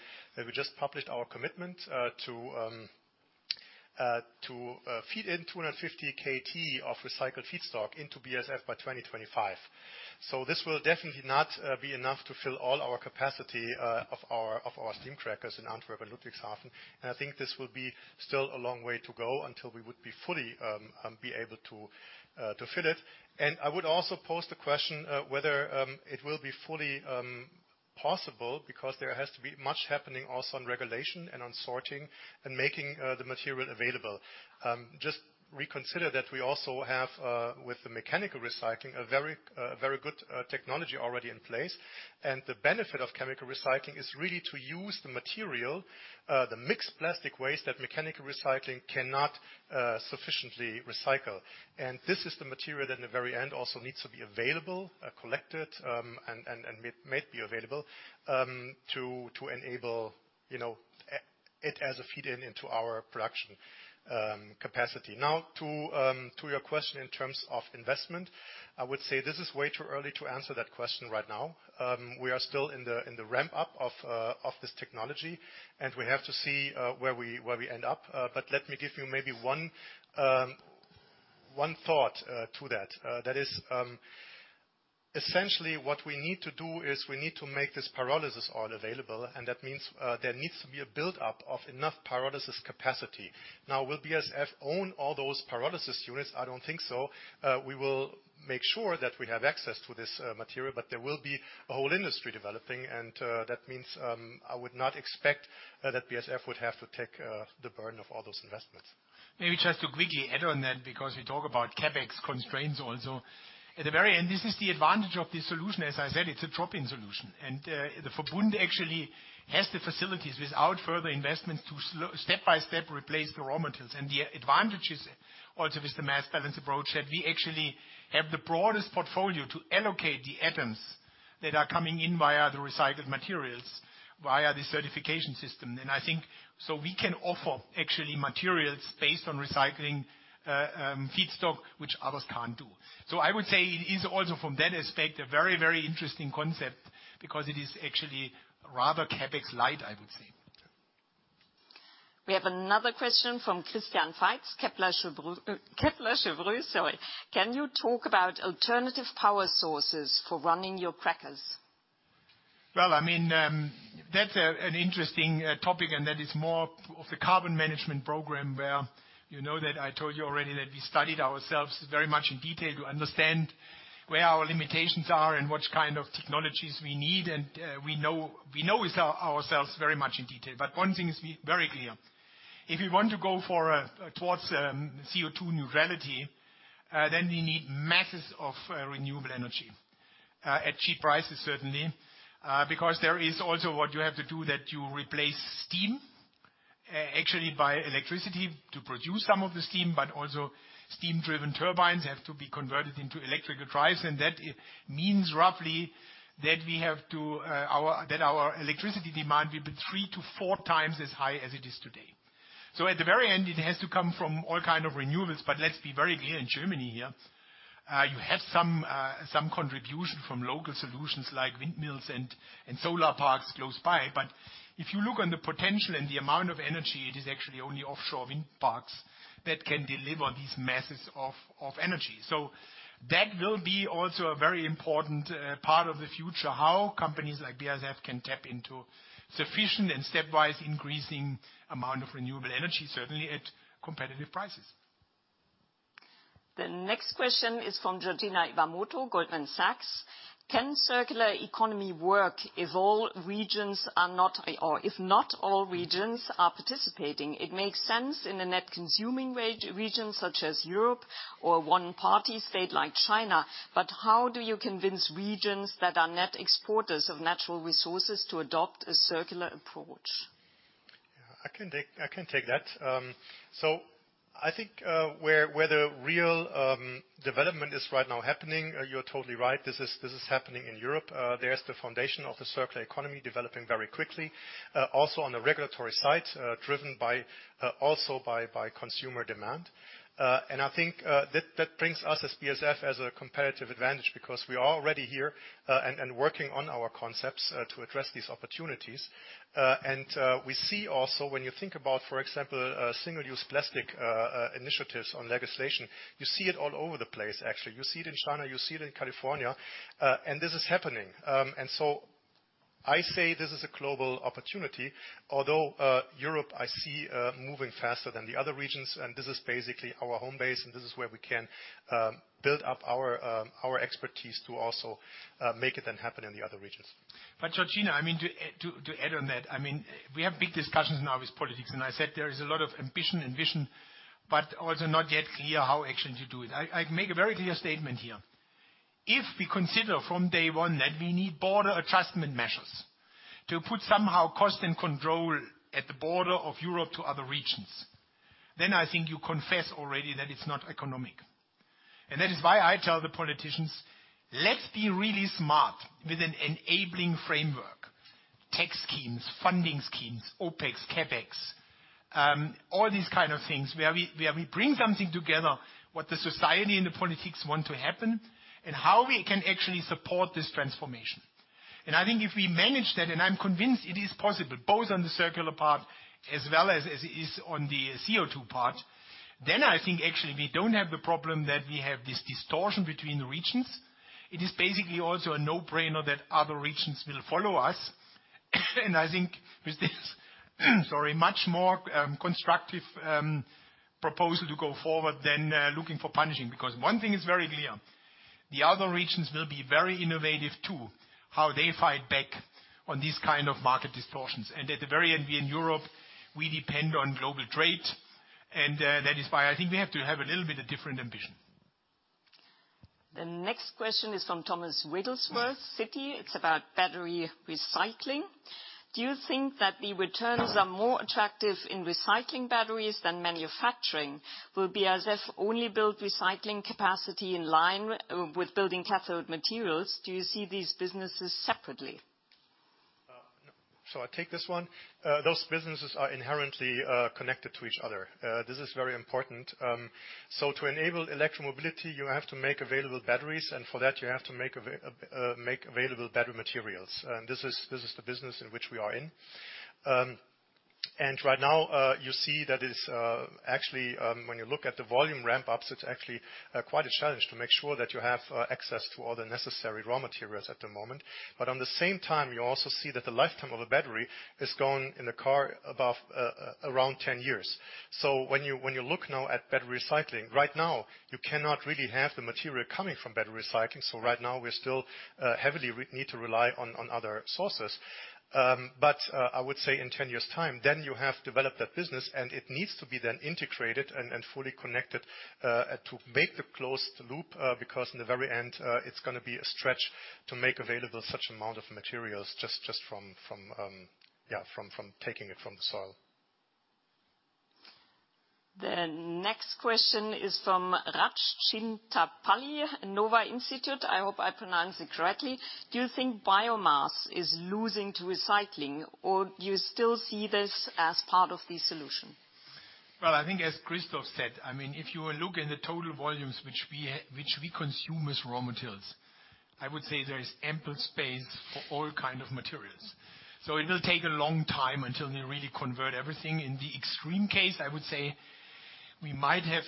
just published our commitment to feed in 250 KT of recycled feedstock into BASF by 2025. This will definitely not be enough to fill all our capacity of our steam crackers in Antwerp and Ludwigshafen. I think this will be still a long way to go until we would be fully be able to fill it. I would also pose the question whether it will be fully possible because there has to be much happening also on regulation and on sorting and making the material available. Just reconsider that we also have, with the mechanical recycling, a very good technology already in place. The benefit of chemical recycling is really to use the material, the mixed plastic waste that mechanical recycling cannot sufficiently recycle. This is the material that in the very end also needs to be available, collected, and made available, to enable it as a feed-in into our production capacity. To your question in terms of investment, I would say this is way too early to answer that question right now. We are still in the ramp-up of this technology, and we have to see where we end up. Let me give you maybe one thought to that. Essentially, what we need to do is we need to make this pyrolysis oil available, and that means there needs to be a buildup of enough pyrolysis capacity. Will BASF own all those pyrolysis units? I don't think so. We will make sure that we have access to this material, but there will be a whole industry developing, and that means I would not expect that BASF would have to take the burden of all those investments. Maybe just to quickly add on that, because we talk about CapEx constraints also. At the very end, this is the advantage of this solution. As I said, it's a drop-in solution. The Verbund actually has the facilities without further investment to step-by-step replace the raw materials. The advantage also with the mass balance approach, that we actually have the broadest portfolio to allocate the atoms that are coming in via the recycled materials, via the certification system. We can offer actually materials based on recycling feedstock, which others can't do. I would say it is also from that aspect, a very interesting concept because it is actually rather CapEx light, I would say. We have another question from Christian Faitz, Kepler Cheuvreux. Can you talk about alternative power sources for running your crackers? Well, that's an interesting topic, and that is more of the carbon management program where you know that I told you already that we studied ourselves very much in detail to understand where our limitations are and which kind of technologies we need. We know ourselves very much in detail. One thing is very clear. If we want to go towards CO2 neutrality, then we need masses of renewable energy, at cheap prices certainly. Because there is also what you have to do that you replace steam, actually by electricity to produce some of the steam, but also steam-driven turbines have to be converted into electrical drives. That means roughly that our electricity demand will be three to four times as high as it is today. At the very end, it has to come from all kind of renewables. Let's be very clear, in Germany here, you have some contribution from local solutions like windmills and solar parks close by. If you look on the potential and the amount of energy, it is actually only offshore wind parks that can deliver these masses of energy. That will be also a very important part of the future, how companies like BASF can tap into sufficient and stepwise increasing amount of renewable energy, certainly at competitive prices. The next question is from Georgina Iwamoto, Goldman Sachs. Can circular economy work if not all regions are participating? It makes sense in a net consuming region such as Europe or a one-party state like China. How do you convince regions that are net exporters of natural resources to adopt a circular approach? I can take that. I think where the real development is right now happening, you're totally right, this is happening in Europe. There is the foundation of the circular economy developing very quickly, also on the regulatory side, driven also by consumer demand. I think that brings us as BASF as a competitive advantage because we are already here and working on our concepts to address these opportunities. We see also when you think about, for example, single-use plastic initiatives on legislation, you see it all over the place, actually. You see it in China, you see it in California, this is happening. I say this is a global opportunity, although, Europe I see moving faster than the other regions, and this is basically our home base, and this is where we can build up our expertise to also make it then happen in the other regions. Georgina, to add on that, we have big discussions now with politics, and I said there is a lot of ambition and vision, but also not yet clear how actually to do it. I make a very clear statement here. If we consider from day one that we need border adjustment measures to put somehow cost and control at the border of Europe to other regions, then I think you confess already that it's not economic. That is why I tell the politicians, let's be really smart with an enabling framework, tech schemes, funding schemes, OpEx, CapEx, all these kind of things, where we bring something together, what the society and the politics want to happen, and how we can actually support this transformation. I think if we manage that, and I'm convinced it is possible, both on the circular part as well as it is on the CO2 part, then I think actually we don't have the problem that we have this distortion between the regions. It is basically also a no-brainer that other regions will follow us. I think with this much more constructive proposal to go forward than looking for punishing. One thing is very clear, the other regions will be very innovative too, how they fight back on these kind of market distortions. At the very end, we in Europe, we depend on global trade, and that is why I think we have to have a little bit of different ambition. The next question is from Thomas Wrigglesworth, Citi. It's about battery recycling. Do you think that the returns are more attractive in recycling batteries than manufacturing? Will BASF only build recycling capacity in line with building cathode materials? Do you see these businesses separately? Shall I take this one? Those businesses are inherently connected to each other. This is very important. To enable electric mobility, you have to make available batteries, and for that you have to make available battery materials. This is the business in which we are in. Right now, you see that it is actually, when you look at the volume ramp-ups, it is actually quite a challenge to make sure that you have access to all the necessary raw materials at the moment. On the same time, you also see that the lifetime of a battery is going in a car above around 10 years. When you look now at battery recycling, right now, you cannot really have the material coming from battery recycling. Right now, we still heavily need to rely on other sources. I would say in 10 years' time, then you have developed that business, and it needs to be then integrated and fully connected, to make the closed loop. Because in the very end, it's going to be a stretch to make available such amount of materials just from taking it from the soil. The next question is from Raj Chinthapalli, nova-Institut. I hope I pronounced it correctly. Do you think biomass is losing to recycling, or do you still see this as part of the solution? Well, I think as Christoph said, if you look in the total volumes which we consume as raw materials, I would say there is ample space for all kind of materials. It will take a long time until we really convert everything. In the extreme case, I would say we might have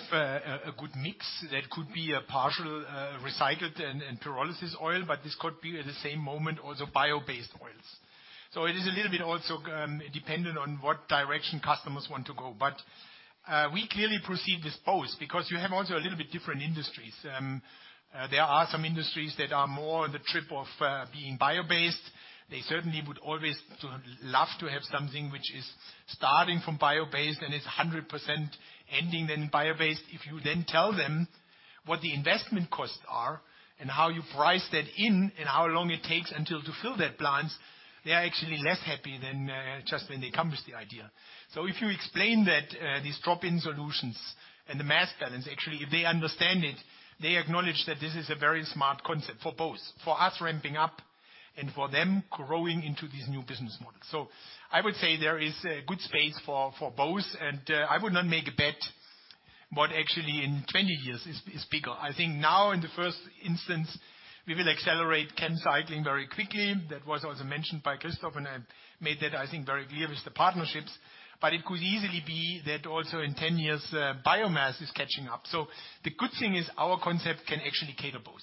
a good mix that could be a partial recycled and pyrolysis oil, but this could be at the same moment also bio-based oils. It is a little bit also dependent on what direction customers want to go. We clearly proceed with both, because you have also a little bit different industries. There are some industries that are more on the trip of being bio-based. They certainly would always love to have something which is starting from bio-based and is 100% ending in bio-based. If you tell them what the investment costs are and how you price that in and how long it takes until to fill their plants, they are actually less happy than just when they come with the idea. If you explain that these drop-in solutions and the mass balance, actually, if they understand it, they acknowledge that this is a very smart concept for both. For us ramping up and for them growing into this new business model. I would say there is a good space for both, and I would not make a bet what actually in 20 years is bigger. I think now in the first instance, we will accelerate ChemCycling very quickly. That was also mentioned by Christoph, and I made that, I think, very clear with the partnerships. It could easily be that also in 10 years, biomass is catching up. The good thing is our concept can actually cater both.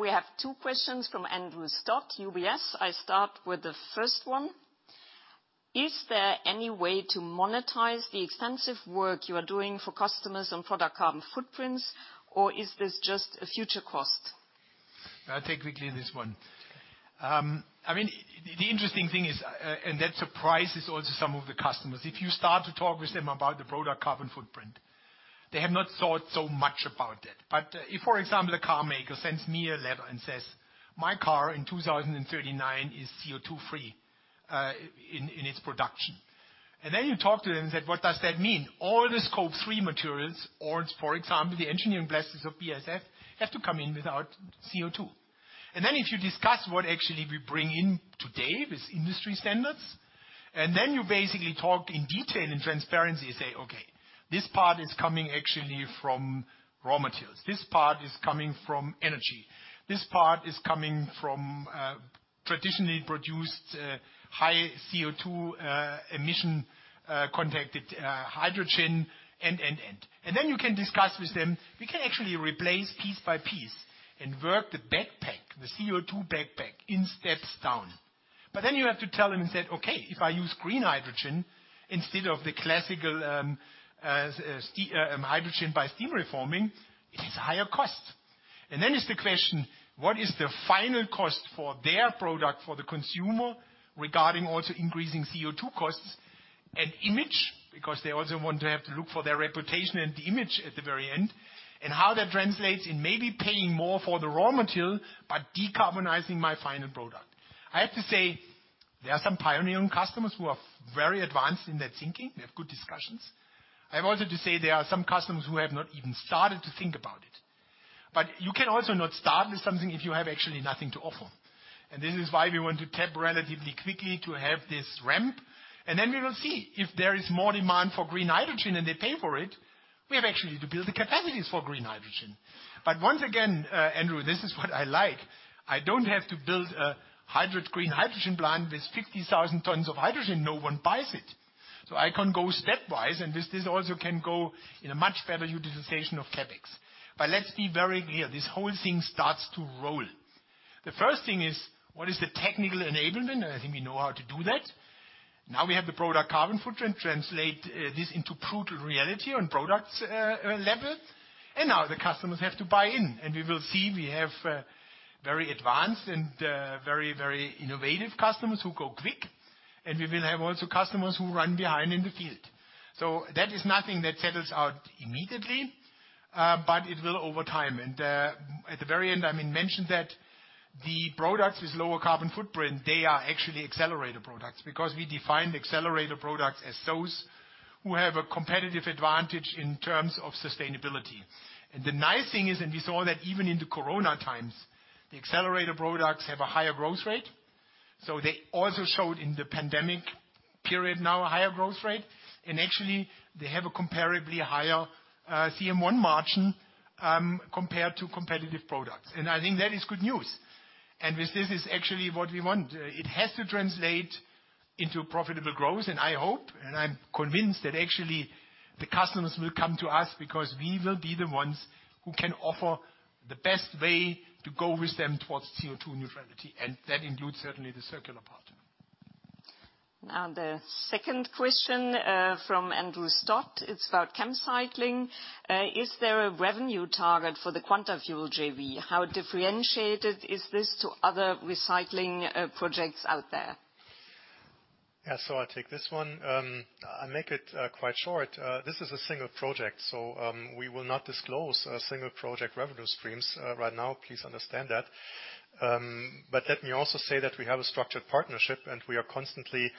We have two questions from Andrew Stott, UBS. I start with the first one. Is there any way to monetize the extensive work you are doing for customers on product carbon footprints, or is this just a future cost? I'll take quickly this one. The interesting thing is, that surprises also some of the customers, if you start to talk with them about the product carbon footprint, they have not thought so much about that. If, for example, a car maker sends me a letter and says, "My car in 2039 is CO2-free, in its production." You talk to them and say, "What does that mean?" All the Scope 3 materials, or, for example, the engineering plastics of BASF, have to come in without CO2. If you discuss what actually we bring in today with industry standards, you basically talk in detail, in transparency, you say, okay, this part is coming actually from raw materials. This part is coming from energy. This part is coming from traditionally produced high CO2 emission contacted hydrogen. You can discuss with them, we can actually replace piece by piece and work the backpack, the CO2 backpack in steps down. You have to tell them and say, "Okay, if I use green hydrogen instead of the classical hydrogen by steam reforming, it is higher cost." The question is, what is the final cost for their product for the consumer regarding also increasing CO2 costs and image? They also want to have to look for their reputation and the image at the very end. How that translates in maybe paying more for the raw material, but decarbonizing my final product. I have to say there are some pioneering customers who are very advanced in that thinking. We have good discussions. I have also to say there are some customers who have not even started to think about it. You can also not start with something if you have actually nothing to offer. This is why we want to tap relatively quickly to have this ramp, then we will see if there is more demand for green hydrogen and they pay for it. We have actually to build the capacities for green hydrogen. Once again, Andrew, this is what I like. I don't have to build a 100 green hydrogen plant with 50,000 tons of hydrogen. No one buys it. I can go stepwise, and this also can go in a much better utilization of CapEx. Let's be very clear, this whole thing starts to roll. The first thing is, what is the technical enablement? I think we know how to do that. Now we have the product carbon footprint, translate this into brutal reality on products level. Now the customers have to buy in. We will see we have very advanced and very innovative customers who go quick. We will have also customers who run behind in the field. That is nothing that settles out immediately, but it will over time. At the very end, I mentioned that the products with lower product carbon footprint, they are actually accelerated products. We define accelerated products as those who have a competitive advantage in terms of sustainability. The nice thing is, and we saw that even in the corona times, the accelerated products have a higher growth rate. They also showed in the pandemic. Period. A higher growth rate, actually they have a comparably higher CM1 margin, compared to competitive products. I think that is good news. This is actually what we want. It has to translate into profitable growth. I hope, I'm convinced, that actually the customers will come to us because we will be the ones who can offer the best way to go with them towards CO2 neutrality. That includes certainly the circular part. The second question from Andrew Stott. It's about ChemCycling. Is there a revenue target for the Quantafuel JV? How differentiated is this to other recycling projects out there? I take this one. I make it quite short. This is a single project, we will not disclose single project revenue streams right now. Please understand that. Let me also say that we have a structured partnership, and we are constantly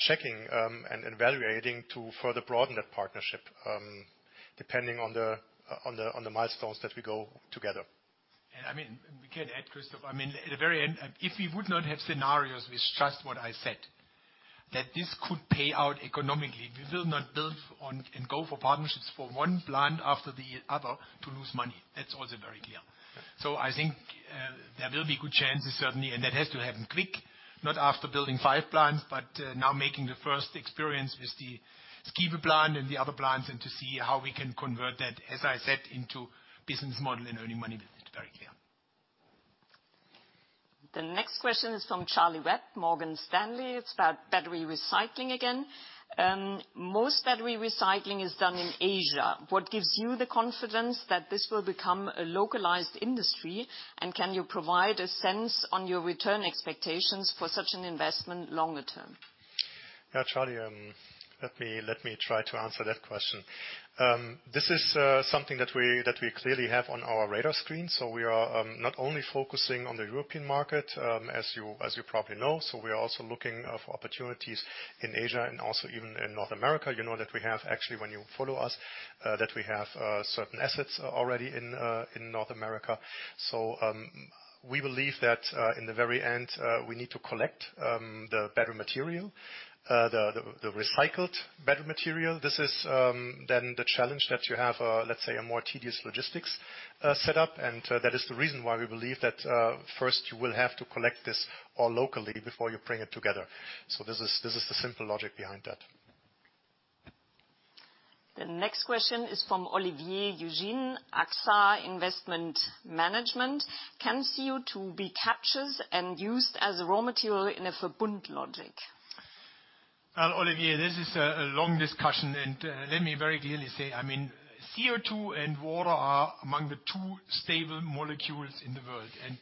checking and evaluating to further broaden that partnership, depending on the milestones that we go together. We can add, Christoph, at the very end, if we would not have scenarios with just what I said, that this could pay out economically. We will not build on and go for partnerships for one plant after the other to lose money. That is also very clear. I think there will be good chances, certainly, and that has to happen quick, not after building five plants, but now making the first experience with the Skive plant and the other plants, and to see how we can convert that, as I said, into business model and earning money with it. Very clear. The next question is from Charlie Webb, Morgan Stanley. It's about battery recycling again. Most battery recycling is done in Asia. What gives you the confidence that this will become a localized industry? Can you provide a sense on your return expectations for such an investment longer term? Yeah, Charlie, let me try to answer that question. This is something that we clearly have on our radar screen. We are not only focusing on the European market, as you probably know. We are also looking for opportunities in Asia and also even in North America. You know that we have actually, when you follow us, that we have certain assets already in North America. We believe that, in the very end, we need to collect the battery material, the recycled battery material. This is the challenge that you have, let's say a more tedious logistics setup. That is the reason why we believe that, first you will have to collect this all locally before you bring it together. This is the simple logic behind that. The next question is from Olivier Eugène, AXA Investment Managers. Can CO2 be captured and used as a raw material in a Verbund logic? Well, Olivier, this is a long discussion. Let me very clearly say, CO2 and water are among the two stable molecules in the world, and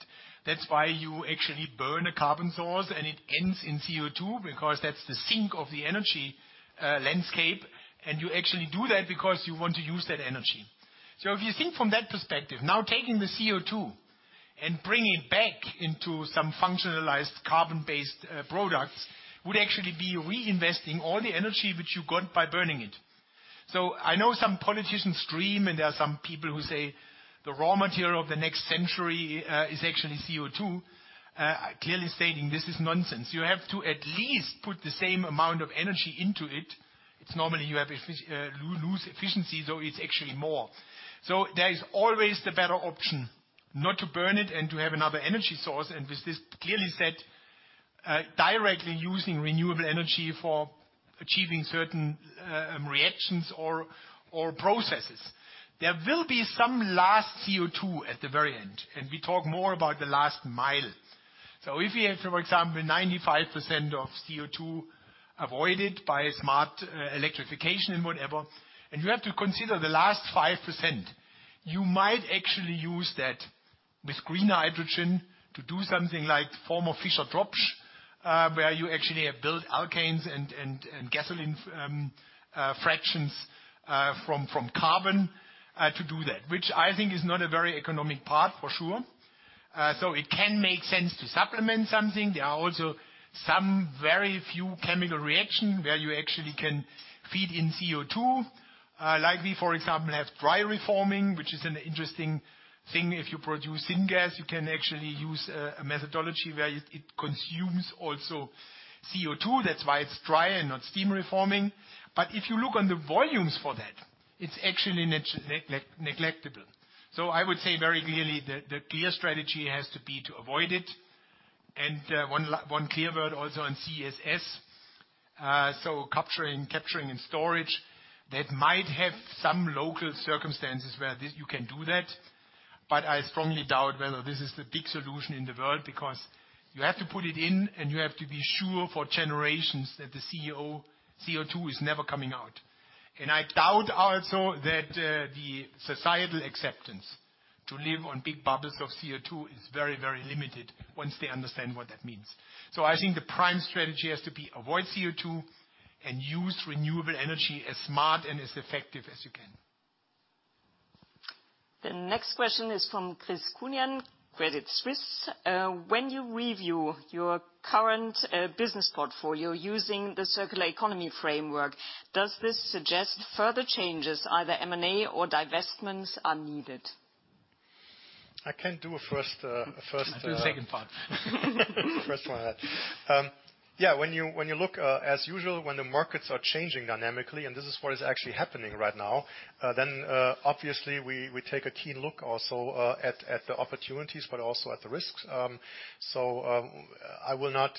that's why you actually burn a carbon source and it ends in CO2, because that's the sink of the energy landscape. You actually do that because you want to use that energy. If you think from that perspective, now taking the CO2 and bringing it back into some functionalized carbon-based products, would actually be reinvesting all the energy which you got by burning it. I know some politicians dream, and there are some people who say the raw material of the next century is actually CO2. Clearly stating this is nonsense. You have to at least put the same amount of energy into it. It's normally you lose efficiency, so it's actually more. There is always the better option not to burn it and to have another energy source, and with this clearly said, directly using renewable energy for achieving certain reactions or processes. There will be some last CO2 at the very end, and we talk more about the last mile. If you have, for example, 95% of CO2 avoided by smart electrification and whatever, and you have to consider the last 5%, you might actually use that with green hydrogen to do something like form of Fischer-Tropsch, where you actually build alkanes and gasoline fractions from carbon, to do that. Which I think is not a very economic part, for sure. It can make sense to supplement something. There are also some very few chemical reaction where you actually can feed in CO2. Like we, for example, have dry reforming, which is an interesting thing. If you produce syngas, you can actually use a methodology where it consumes also CO2. That's why it's dry and not steam reforming. If you look on the volumes for that, it's actually negligible. I would say very clearly the clear strategy has to be to avoid it. One clear word also on CCS, so capturing and storage, that might have some local circumstances where you can do that, but I strongly doubt whether this is the big solution in the world, because you have to put it in and you have to be sure for generations that the CO2 is never coming out. I doubt also that the societal acceptance to live on big bubbles of CO2 is very limited once they understand what that means. I think the prime strategy has to be avoid CO2 and use renewable energy as smart and as effective as you can. The next question is from Chris Counihan, Credit Suisse. When you review your current business portfolio using the circular economy framework, does this suggest further changes, either M&A or divestments are needed? I can do a first- I do the second part. First one. Yeah. As usual, when the markets are changing dynamically, and this is what is actually happening right now, then obviously we take a keen look also at the opportunities, but also at the risks. I will not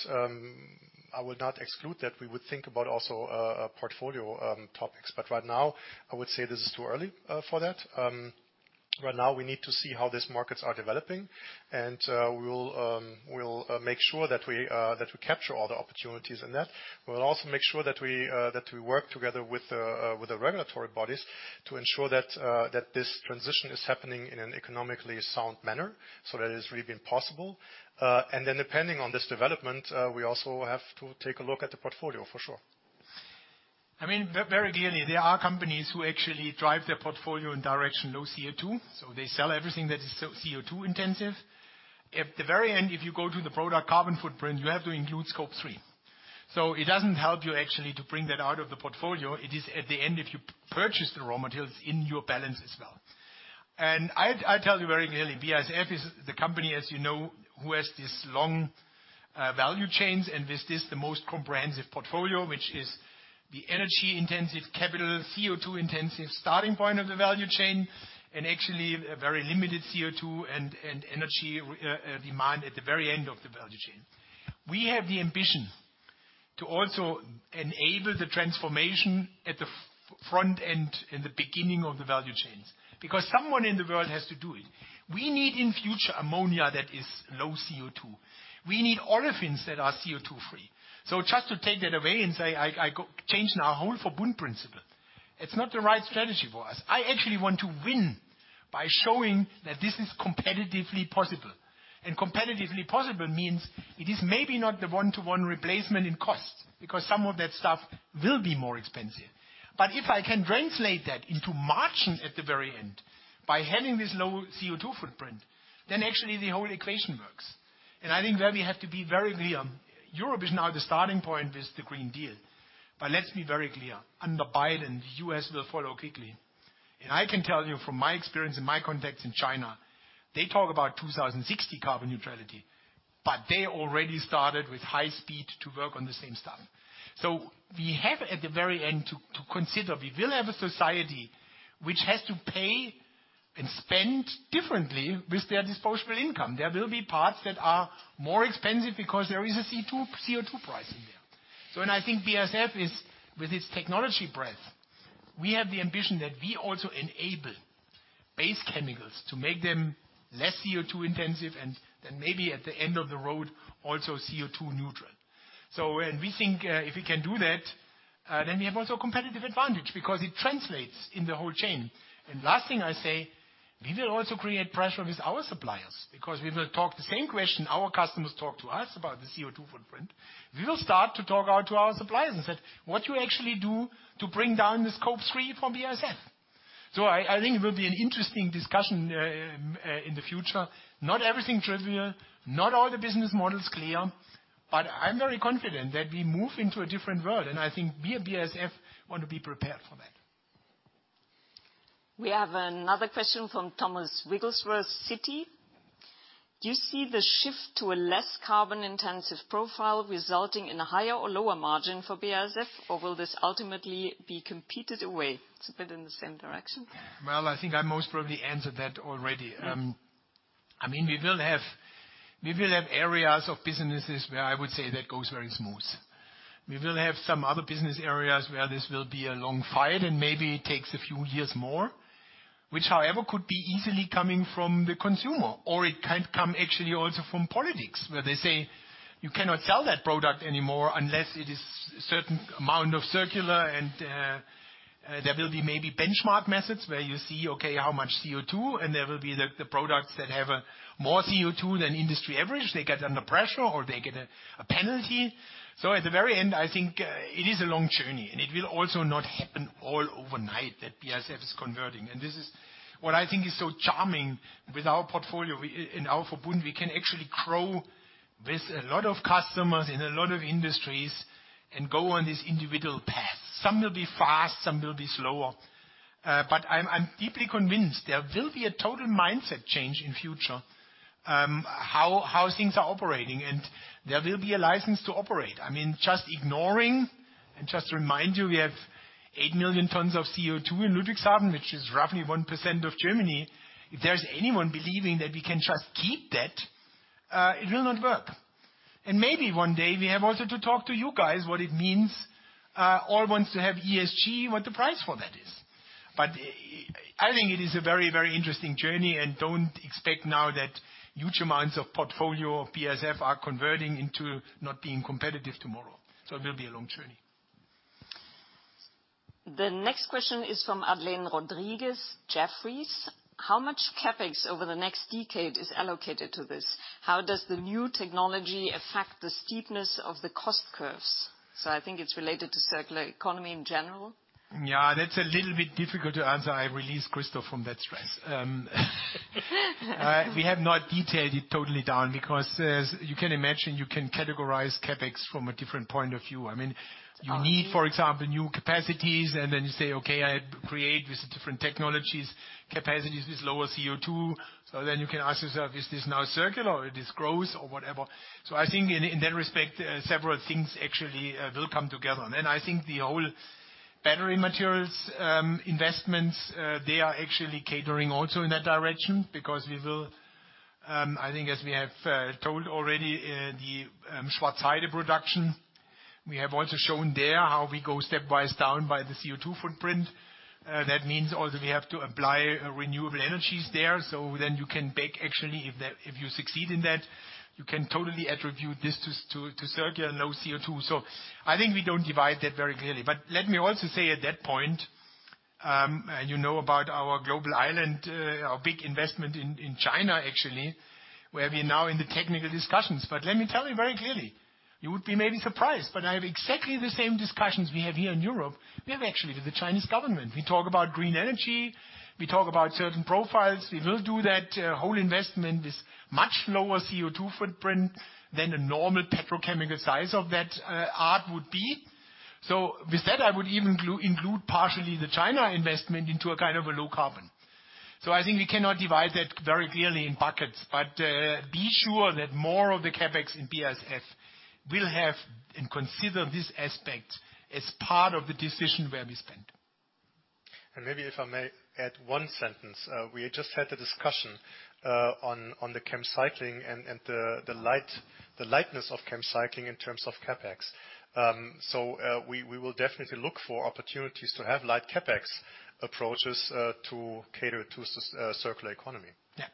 exclude that we would think about also portfolio topics. Right now, I would say this is too early for that. Right now, we need to see how these markets are developing, and we will make sure that we capture all the opportunities in that. We will also make sure that we work together with the regulatory bodies to ensure that this transition is happening in an economically sound manner, so that it is really possible. Depending on this development, we also have to take a look at the portfolio, for sure. Very clearly, there are companies who actually drive their portfolio in direction low CO2. They sell everything that is CO2 intensive. At the very end, if you go to the product carbon footprint, you have to include Scope 3. It doesn't help you actually to bring that out of the portfolio. It is at the end, if you purchase the raw materials, in your balance as well. I tell you very clearly, BASF is the company, as you know, who has these long value chains and with this, the most comprehensive portfolio, which is the energy intensive capital, CO2 intensive starting point of the value chain, and actually, a very limited CO2 and energy demand at the very end of the value chain. We have the ambition to also enable the transformation at the front end, in the beginning of the value chains. Someone in the world has to do it. We need, in future, ammonia that is low CO2. We need olefins that are CO2 free. Just to take that away and say, I change now whole Verbund principle. It's not the right strategy for us. I actually want to win by showing that this is competitively possible. Competitively possible means it is maybe not the one-to-one replacement in cost, because some of that stuff will be more expensive. If I can translate that into margin at the very end by having this low CO2 footprint, then actually the whole equation works. I think there we have to be very clear. Europe is now the starting point with the Green Deal. Let's be very clear. Under Biden, the U.S. will follow quickly. I can tell you from my experience and my contacts in China, they talk about 2060 carbon neutrality, but they already started with high speed to work on the same stuff. We have at the very end to consider, we will have a society which has to pay and spend differently with their disposable income. There will be parts that are more expensive because there is a CO2 price in there. I think BASF, with its technology breadth, we have the ambition that we also enable base chemicals, to make them less CO2 intensive, and then maybe at the end of the road, also CO2 neutral. We think, if we can do that, then we have also competitive advantage, because it translates in the whole chain. Last thing I say, we will also create pressure with our suppliers, because we will talk the same question our customers talk to us about the CO2 footprint. We will start to talk out to our suppliers and say, "What you actually do to bring down the Scope 3 from BASF?" I think it will be an interesting discussion in the future. Not everything trivial, not all the business models clear, but I'm very confident that we move into a different world. I think we at BASF want to be prepared for that. We have another question from Thomas Wrigglesworth, Citi. Do you see the shift to a less carbon-intensive profile resulting in a higher or lower margin for BASF, or will this ultimately be competed away? It's a bit in the same direction. Well, I think I most probably answered that already. Yes. We will have areas of businesses where I would say that goes very smooth. We will have some other business areas where this will be a long fight and maybe it takes a few years more, which, however, could be easily coming from the consumer, or it can come actually also from politics, where they say, "You cannot sell that product anymore unless it is certain amount of circular." There will be maybe benchmark methods where you see, okay, how much CO2, and there will be the products that have more CO2 than industry average. They get under pressure, or they get a penalty. At the very end, I think it is a long journey, and it will also not happen all overnight that BASF is converting. This is what I think is so charming with our portfolio and our Verbund. We can actually grow with a lot of customers in a lot of industries and go on this individual path. Some will be fast, some will be slower. I'm deeply convinced there will be a total mindset change in future, how things are operating. There will be a license to operate. Just ignoring, and just to remind you, we have 8 million tons of CO2 in Ludwigshafen, which is roughly 1% of Germany. If there's anyone believing that we can just keep that, it will not work. Maybe one day we have also to talk to you guys what it means, all want to have ESG, what the price for that is. I think it is a very interesting journey, and don't expect now that huge amounts of portfolio of BASF are converting into not being competitive tomorrow. It will be a long journey. The next question is from Adlene Rodriguez, Jefferies. How much CapEx over the next decade is allocated to this? How does the new technology affect the steepness of the cost curves? I think it's related to circular economy in general. Yeah. That's a little bit difficult to answer. I release Christoph from that stress. We have not detailed it totally down because, as you can imagine, you can categorize CapEx from a different point of view. You need, for example, new capacities. Then you say, "Okay, I create with different technologies, capacities with lower CO2." Then you can ask yourself, is this now circular or this grows or whatever? I think in that respect, several things actually will come together. Then I think the whole battery materials investments, they are actually catering also in that direction because we will, I think as we have told already, the Schwarzheide production. We have also shown there how we go stepwise down by the CO2 footprint. That means also we have to apply renewable energies there. You can bake, actually, if you succeed in that, you can totally attribute this to circular and low CO2. I think we don't divide that very clearly. Let me also say at that point, and you know about our global island, our big investment in China, actually, where we are now in the technical discussions. Let me tell you very clearly, you would be maybe surprised, but I have exactly the same discussions we have here in Europe, we have actually with the Chinese government. We talk about green energy. We talk about certain profiles. We will do that whole investment with much lower CO2 footprint than a normal petrochemical size of that art would be. With that, I would even include partially the China investment into a kind of a low carbon. I think we cannot divide that very clearly in buckets, but be sure that more of the CapEx in BASF will have and consider this aspect as part of the decision where we spend. Maybe if I may add one sentence. We just had a discussion on the ChemCycling and the lightness of ChemCycling in terms of CapEx. We will definitely look for opportunities to have light CapEx approaches to cater to circular economy. Yeah.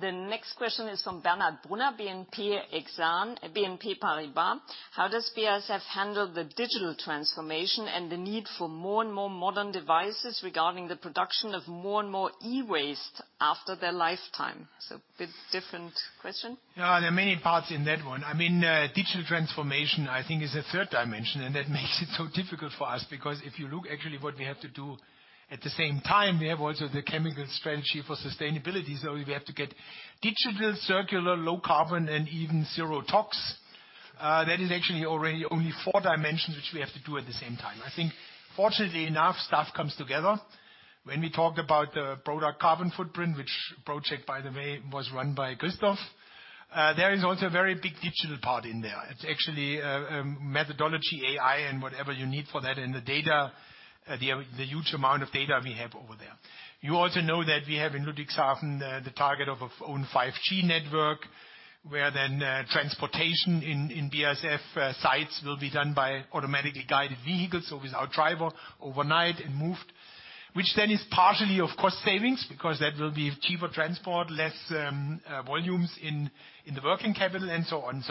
The next question is from Bernhard Brunner, BNP Paribas. How does BASF handle the digital transformation and the need for more and more modern devices regarding the production of more and more e-waste after their lifetime? Bit different question. Yeah. There are many parts in that one. Digital transformation, I think is a third dimension, and that makes it so difficult for us because if you look actually what we have to do at the same time, we have also the Chemicals Strategy for Sustainability. We have to get digital, circular, low carbon, and even zero tox. That is actually already only four dimensions, which we have to do at the same time. I think fortunately enough, stuff comes together. When we talked about the product carbon footprint, which project, by the way, was run by Christoph. There is also a very big digital part in there. It's actually a methodology, AI, and whatever you need for that and the data, the huge amount of data we have over there. You also know that we have in Ludwigshafen, the target of own 5G network, where transportation in BASF sites will be done by automatically guided vehicles, so without driver overnight and moved, which is partially of cost savings because that will be cheaper transport, less volumes in the working capital and so on.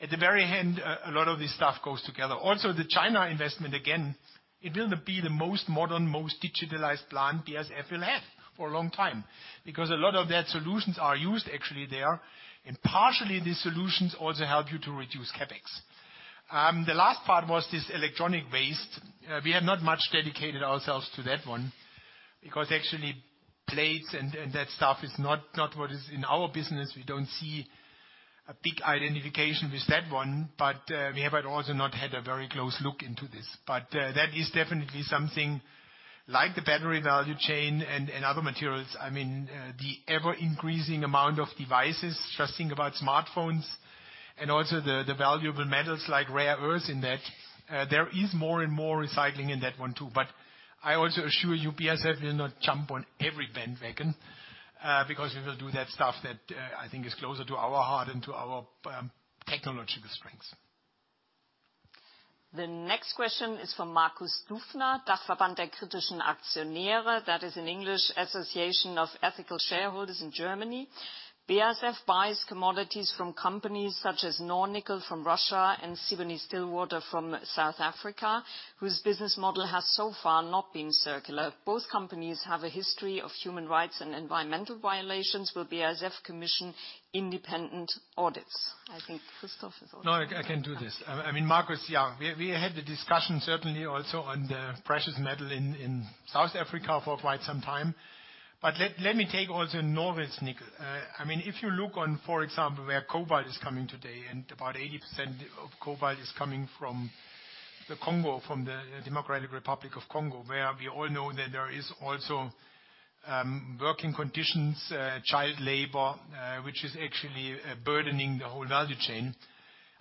At the very end, a lot of this stuff goes together. The China investment, again, it will be the most modern, most digitalized plant BASF will have for a long time because a lot of that solutions are used actually there, and partially these solutions also help you to reduce CapEx. The last part was this electronic waste. We have not much dedicated ourselves to that one because actually plates and that stuff is not what is in our business. We don't see a big identification with that one, but we have also not had a very close look into this. That is definitely something like the battery value chain and other materials. The ever-increasing amount of devices, just think about smartphones and also the valuable metals like rare earths in that. There is more and more recycling in that one too. I also assure you, BASF will not jump on every bandwagon, because we will do that stuff that I think is closer to our heart and to our technological strengths. The next question is from Markus Dufner, Dachverband der Kritischen Aktionärinnen und Aktionäre. That is in English Association of Critical Shareholders in Germany. BASF buys commodities from companies such as Nornickel from Russia and Sibanye-Stillwater from South Africa, whose business model has so far not been circular. Both companies have a history of human rights and environmental violations. Will BASF commission independent audits? I think Christoph is on. No, I can do this. Markus, yeah, we had the discussion certainly also on the precious metal in South Africa for quite some time. Let me take also Norilsk Nickel. If you look on, for example, where cobalt is coming today, and about 80% of cobalt is coming from the Congo, from the Democratic Republic of Congo, where we all know that there is also working conditions, child labor, which is actually burdening the whole value chain.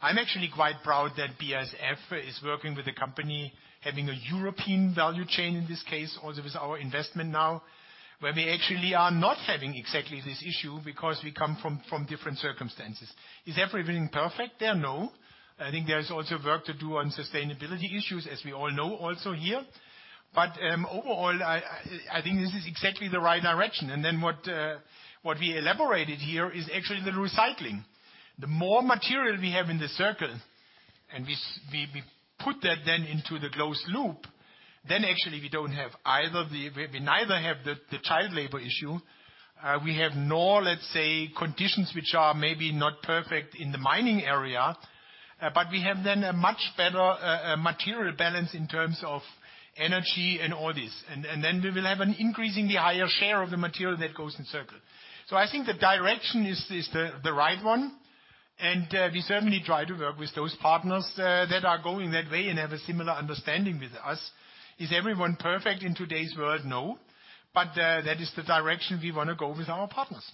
I'm actually quite proud that BASF is working with a company having a European value chain, in this case also with our investment now, where we actually are not having exactly this issue because we come from different circumstances. Is everything perfect there? No. I think there is also work to do on sustainability issues, as we all know also here. Overall, I think this is exactly the right direction. What we elaborated here is actually the recycling. The more material we have in the circle, and we put that then into the closed loop, then actually we neither have the child labor issue, we have nor, let's say, conditions which are maybe not perfect in the mining area. We have then a much better material balance in terms of energy and all this. We will have an increasingly higher share of the material that goes in circle. I think the direction is the right one, and we certainly try to work with those partners that are going that way and have a similar understanding with us. Is everyone perfect in today's world? No. That is the direction we want to go with our partners.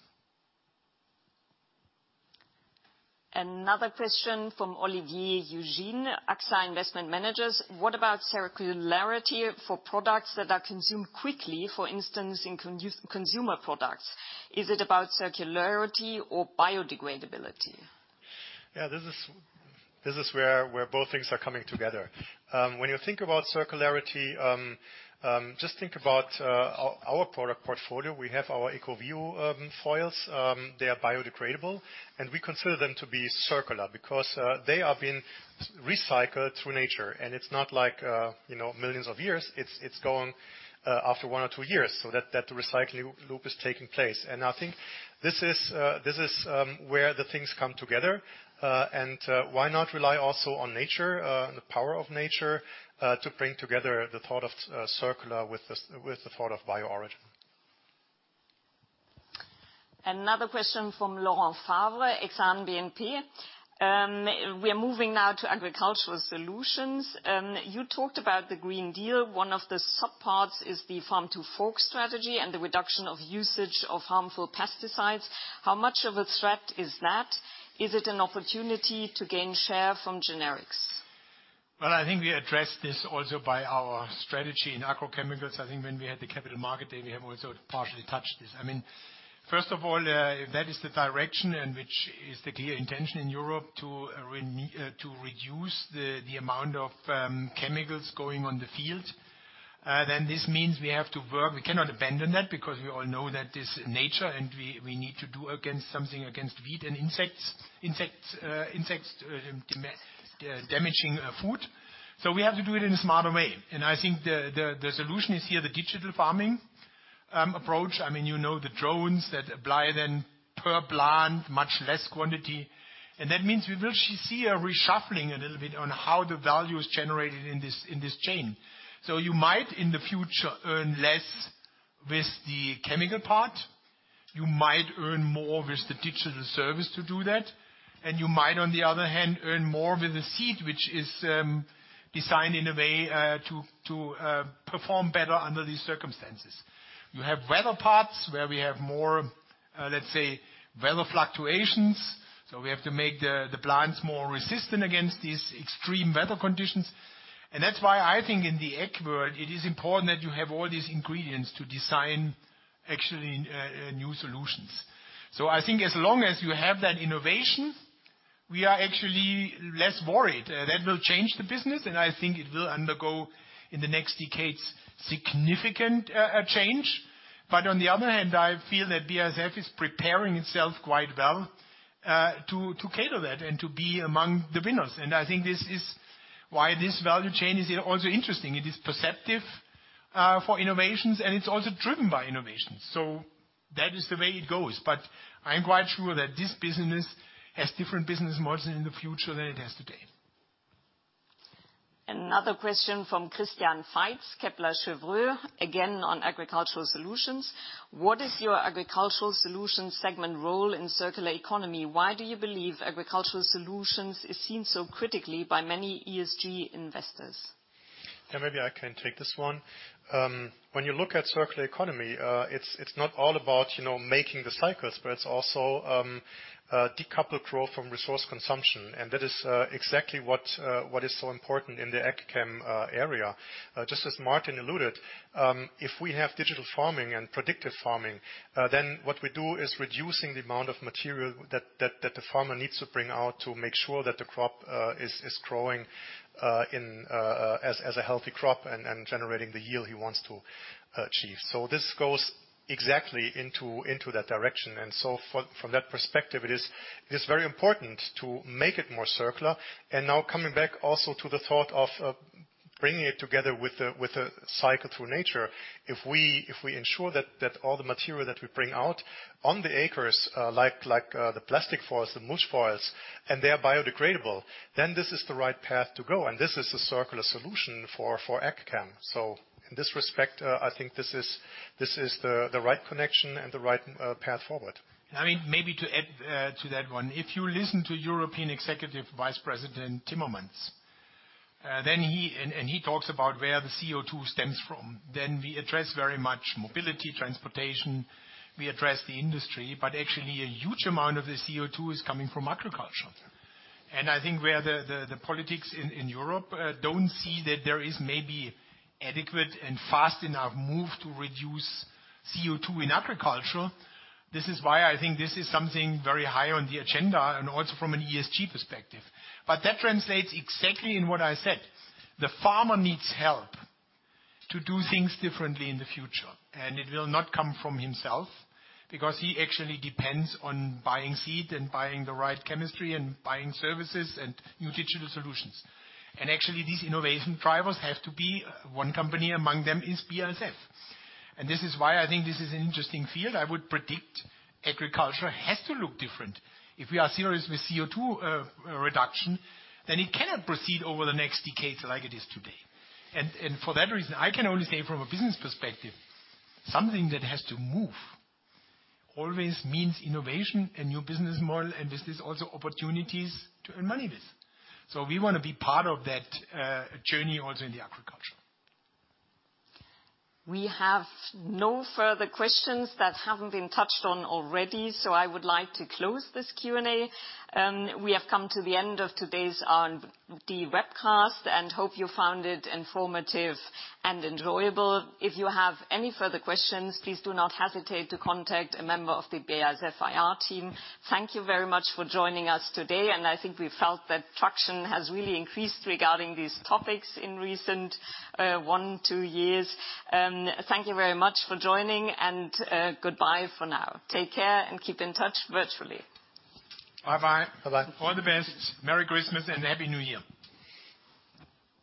Another question from Olivier Eugène, AXA Investment Managers. What about circularity for products that are consumed quickly, for instance, in consumer products? Is it about circularity or biodegradability? Yeah. This is where both things are coming together. When you think about circularity, just think about our product portfolio. We have our ecovio foils. They are biodegradable, and we consider them to be circular because they are being recycled through nature. It's not like millions of years. It's going after one or two years, so that recycling loop is taking place. I think this is where the things come together. Why not rely also on nature, on the power of nature, to bring together the thought of circular with the thought of bio-origin. Another question from Laurent Favre, Exane BNP Paribas. We are moving now to agricultural solutions. You talked about the Green Deal. One of the subparts is the Farm to Fork Strategy and the reduction of usage of harmful pesticides. How much of a threat is that? Is it an opportunity to gain share from generics? I think we addressed this also by our strategy in agrochemicals. I think when we had the capital market day, we have also partially touched this. First of all, that is the direction and which is the clear intention in Europe to reduce the amount of chemicals going on the field. This means we have to work. We cannot abandon that because we all know that this is nature and we need to do something against weed and insects damaging food. We have to do it in a smarter way. I think the solution is here, the digital farming approach. You know the drones that apply then per plant, much less quantity. That means we will see a reshuffling a little bit on how the value is generated in this chain. You might, in the future, earn less with the chemical part. You might earn more with the digital service to do that, and you might, on the other hand, earn more with the seed, which is designed in a way to perform better under these circumstances. You have weather parts where we have more, let's say, weather fluctuations. We have to make the plants more resistant against these extreme weather conditions. That's why I think in the ag world, it is important that you have all these ingredients to design, actually, new solutions. I think as long as you have that innovation, we are actually less worried. That will change the business, and I think it will undergo, in the next decades, significant change. On the other hand, I feel that BASF is preparing itself quite well to cater that and to be among the winners. I think this is why this value chain is also interesting. It is perceptive for innovations, and it's also driven by innovations. That is the way it goes. I am quite sure that this business has different business models in the future than it has today. Another question from Christian Faitz, Kepler Cheuvreux, again, on Agricultural Solutions. What is your Agricultural Solutions segment role in circular economy? Why do you believe Agricultural Solutions is seen so critically by many ESG investors? Yeah, maybe I can take this one. When you look at circular economy, it's not all about making the cycles, but it's also decouple growth from resource consumption. That is exactly what is so important in the ag chem area. Just as Martin alluded, if we have digital farming and predictive farming, then what we do is reducing the amount of material that the farmer needs to bring out to make sure that the crop is growing as a healthy crop and generating the yield he wants to achieve. This goes exactly into that direction. From that perspective, it is very important to make it more circular. Coming back also to the thought of bringing it together with a cycle through nature. If we ensure that all the material that we bring out on the acres, like the plastic foils, the mulch foils, and they are biodegradable, this is the right path to go. This is a circular solution for ag chem. In this respect, I think this is the right connection and the right path forward. Maybe to add to that one, if you listen to European Executive Vice President Timmermans, he talks about where the CO2 stems from. We address very much mobility, transportation, we address the industry. Actually, a huge amount of the CO2 is coming from agriculture. I think where the politics in Europe don't see that there is maybe adequate and fast enough move to reduce CO2 in agriculture. This is why I think this is something very high on the agenda and also from an ESG perspective. That translates exactly in what I said. The farmer needs help to do things differently in the future, and it will not come from himself because he actually depends on buying seed and buying the right chemistry and buying services and new digital solutions. Actually, these innovation drivers have to be one company. Among them is BASF. This is why I think this is an interesting field. I would predict agriculture has to look different. If we are serious with CO2 reduction, then it cannot proceed over the next decades like it is today. For that reason, I can only say from a business perspective, something that has to move always means innovation and new business model, and this is also opportunities to earn money with. We want to be part of that journey also in the agriculture. We have no further questions that haven't been touched on already. I would like to close this Q&A. We have come to the end of today's on the webcast. Hope you found it informative and enjoyable. If you have any further questions, please do not hesitate to contact a member of the BASF IR team. Thank you very much for joining us today. I think we felt that traction has really increased regarding these topics in recent one, two years. Thank you very much for joining and goodbye for now. Take care and keep in touch virtually. Bye. Bye. All the best. Merry Christmas and Happy New Year.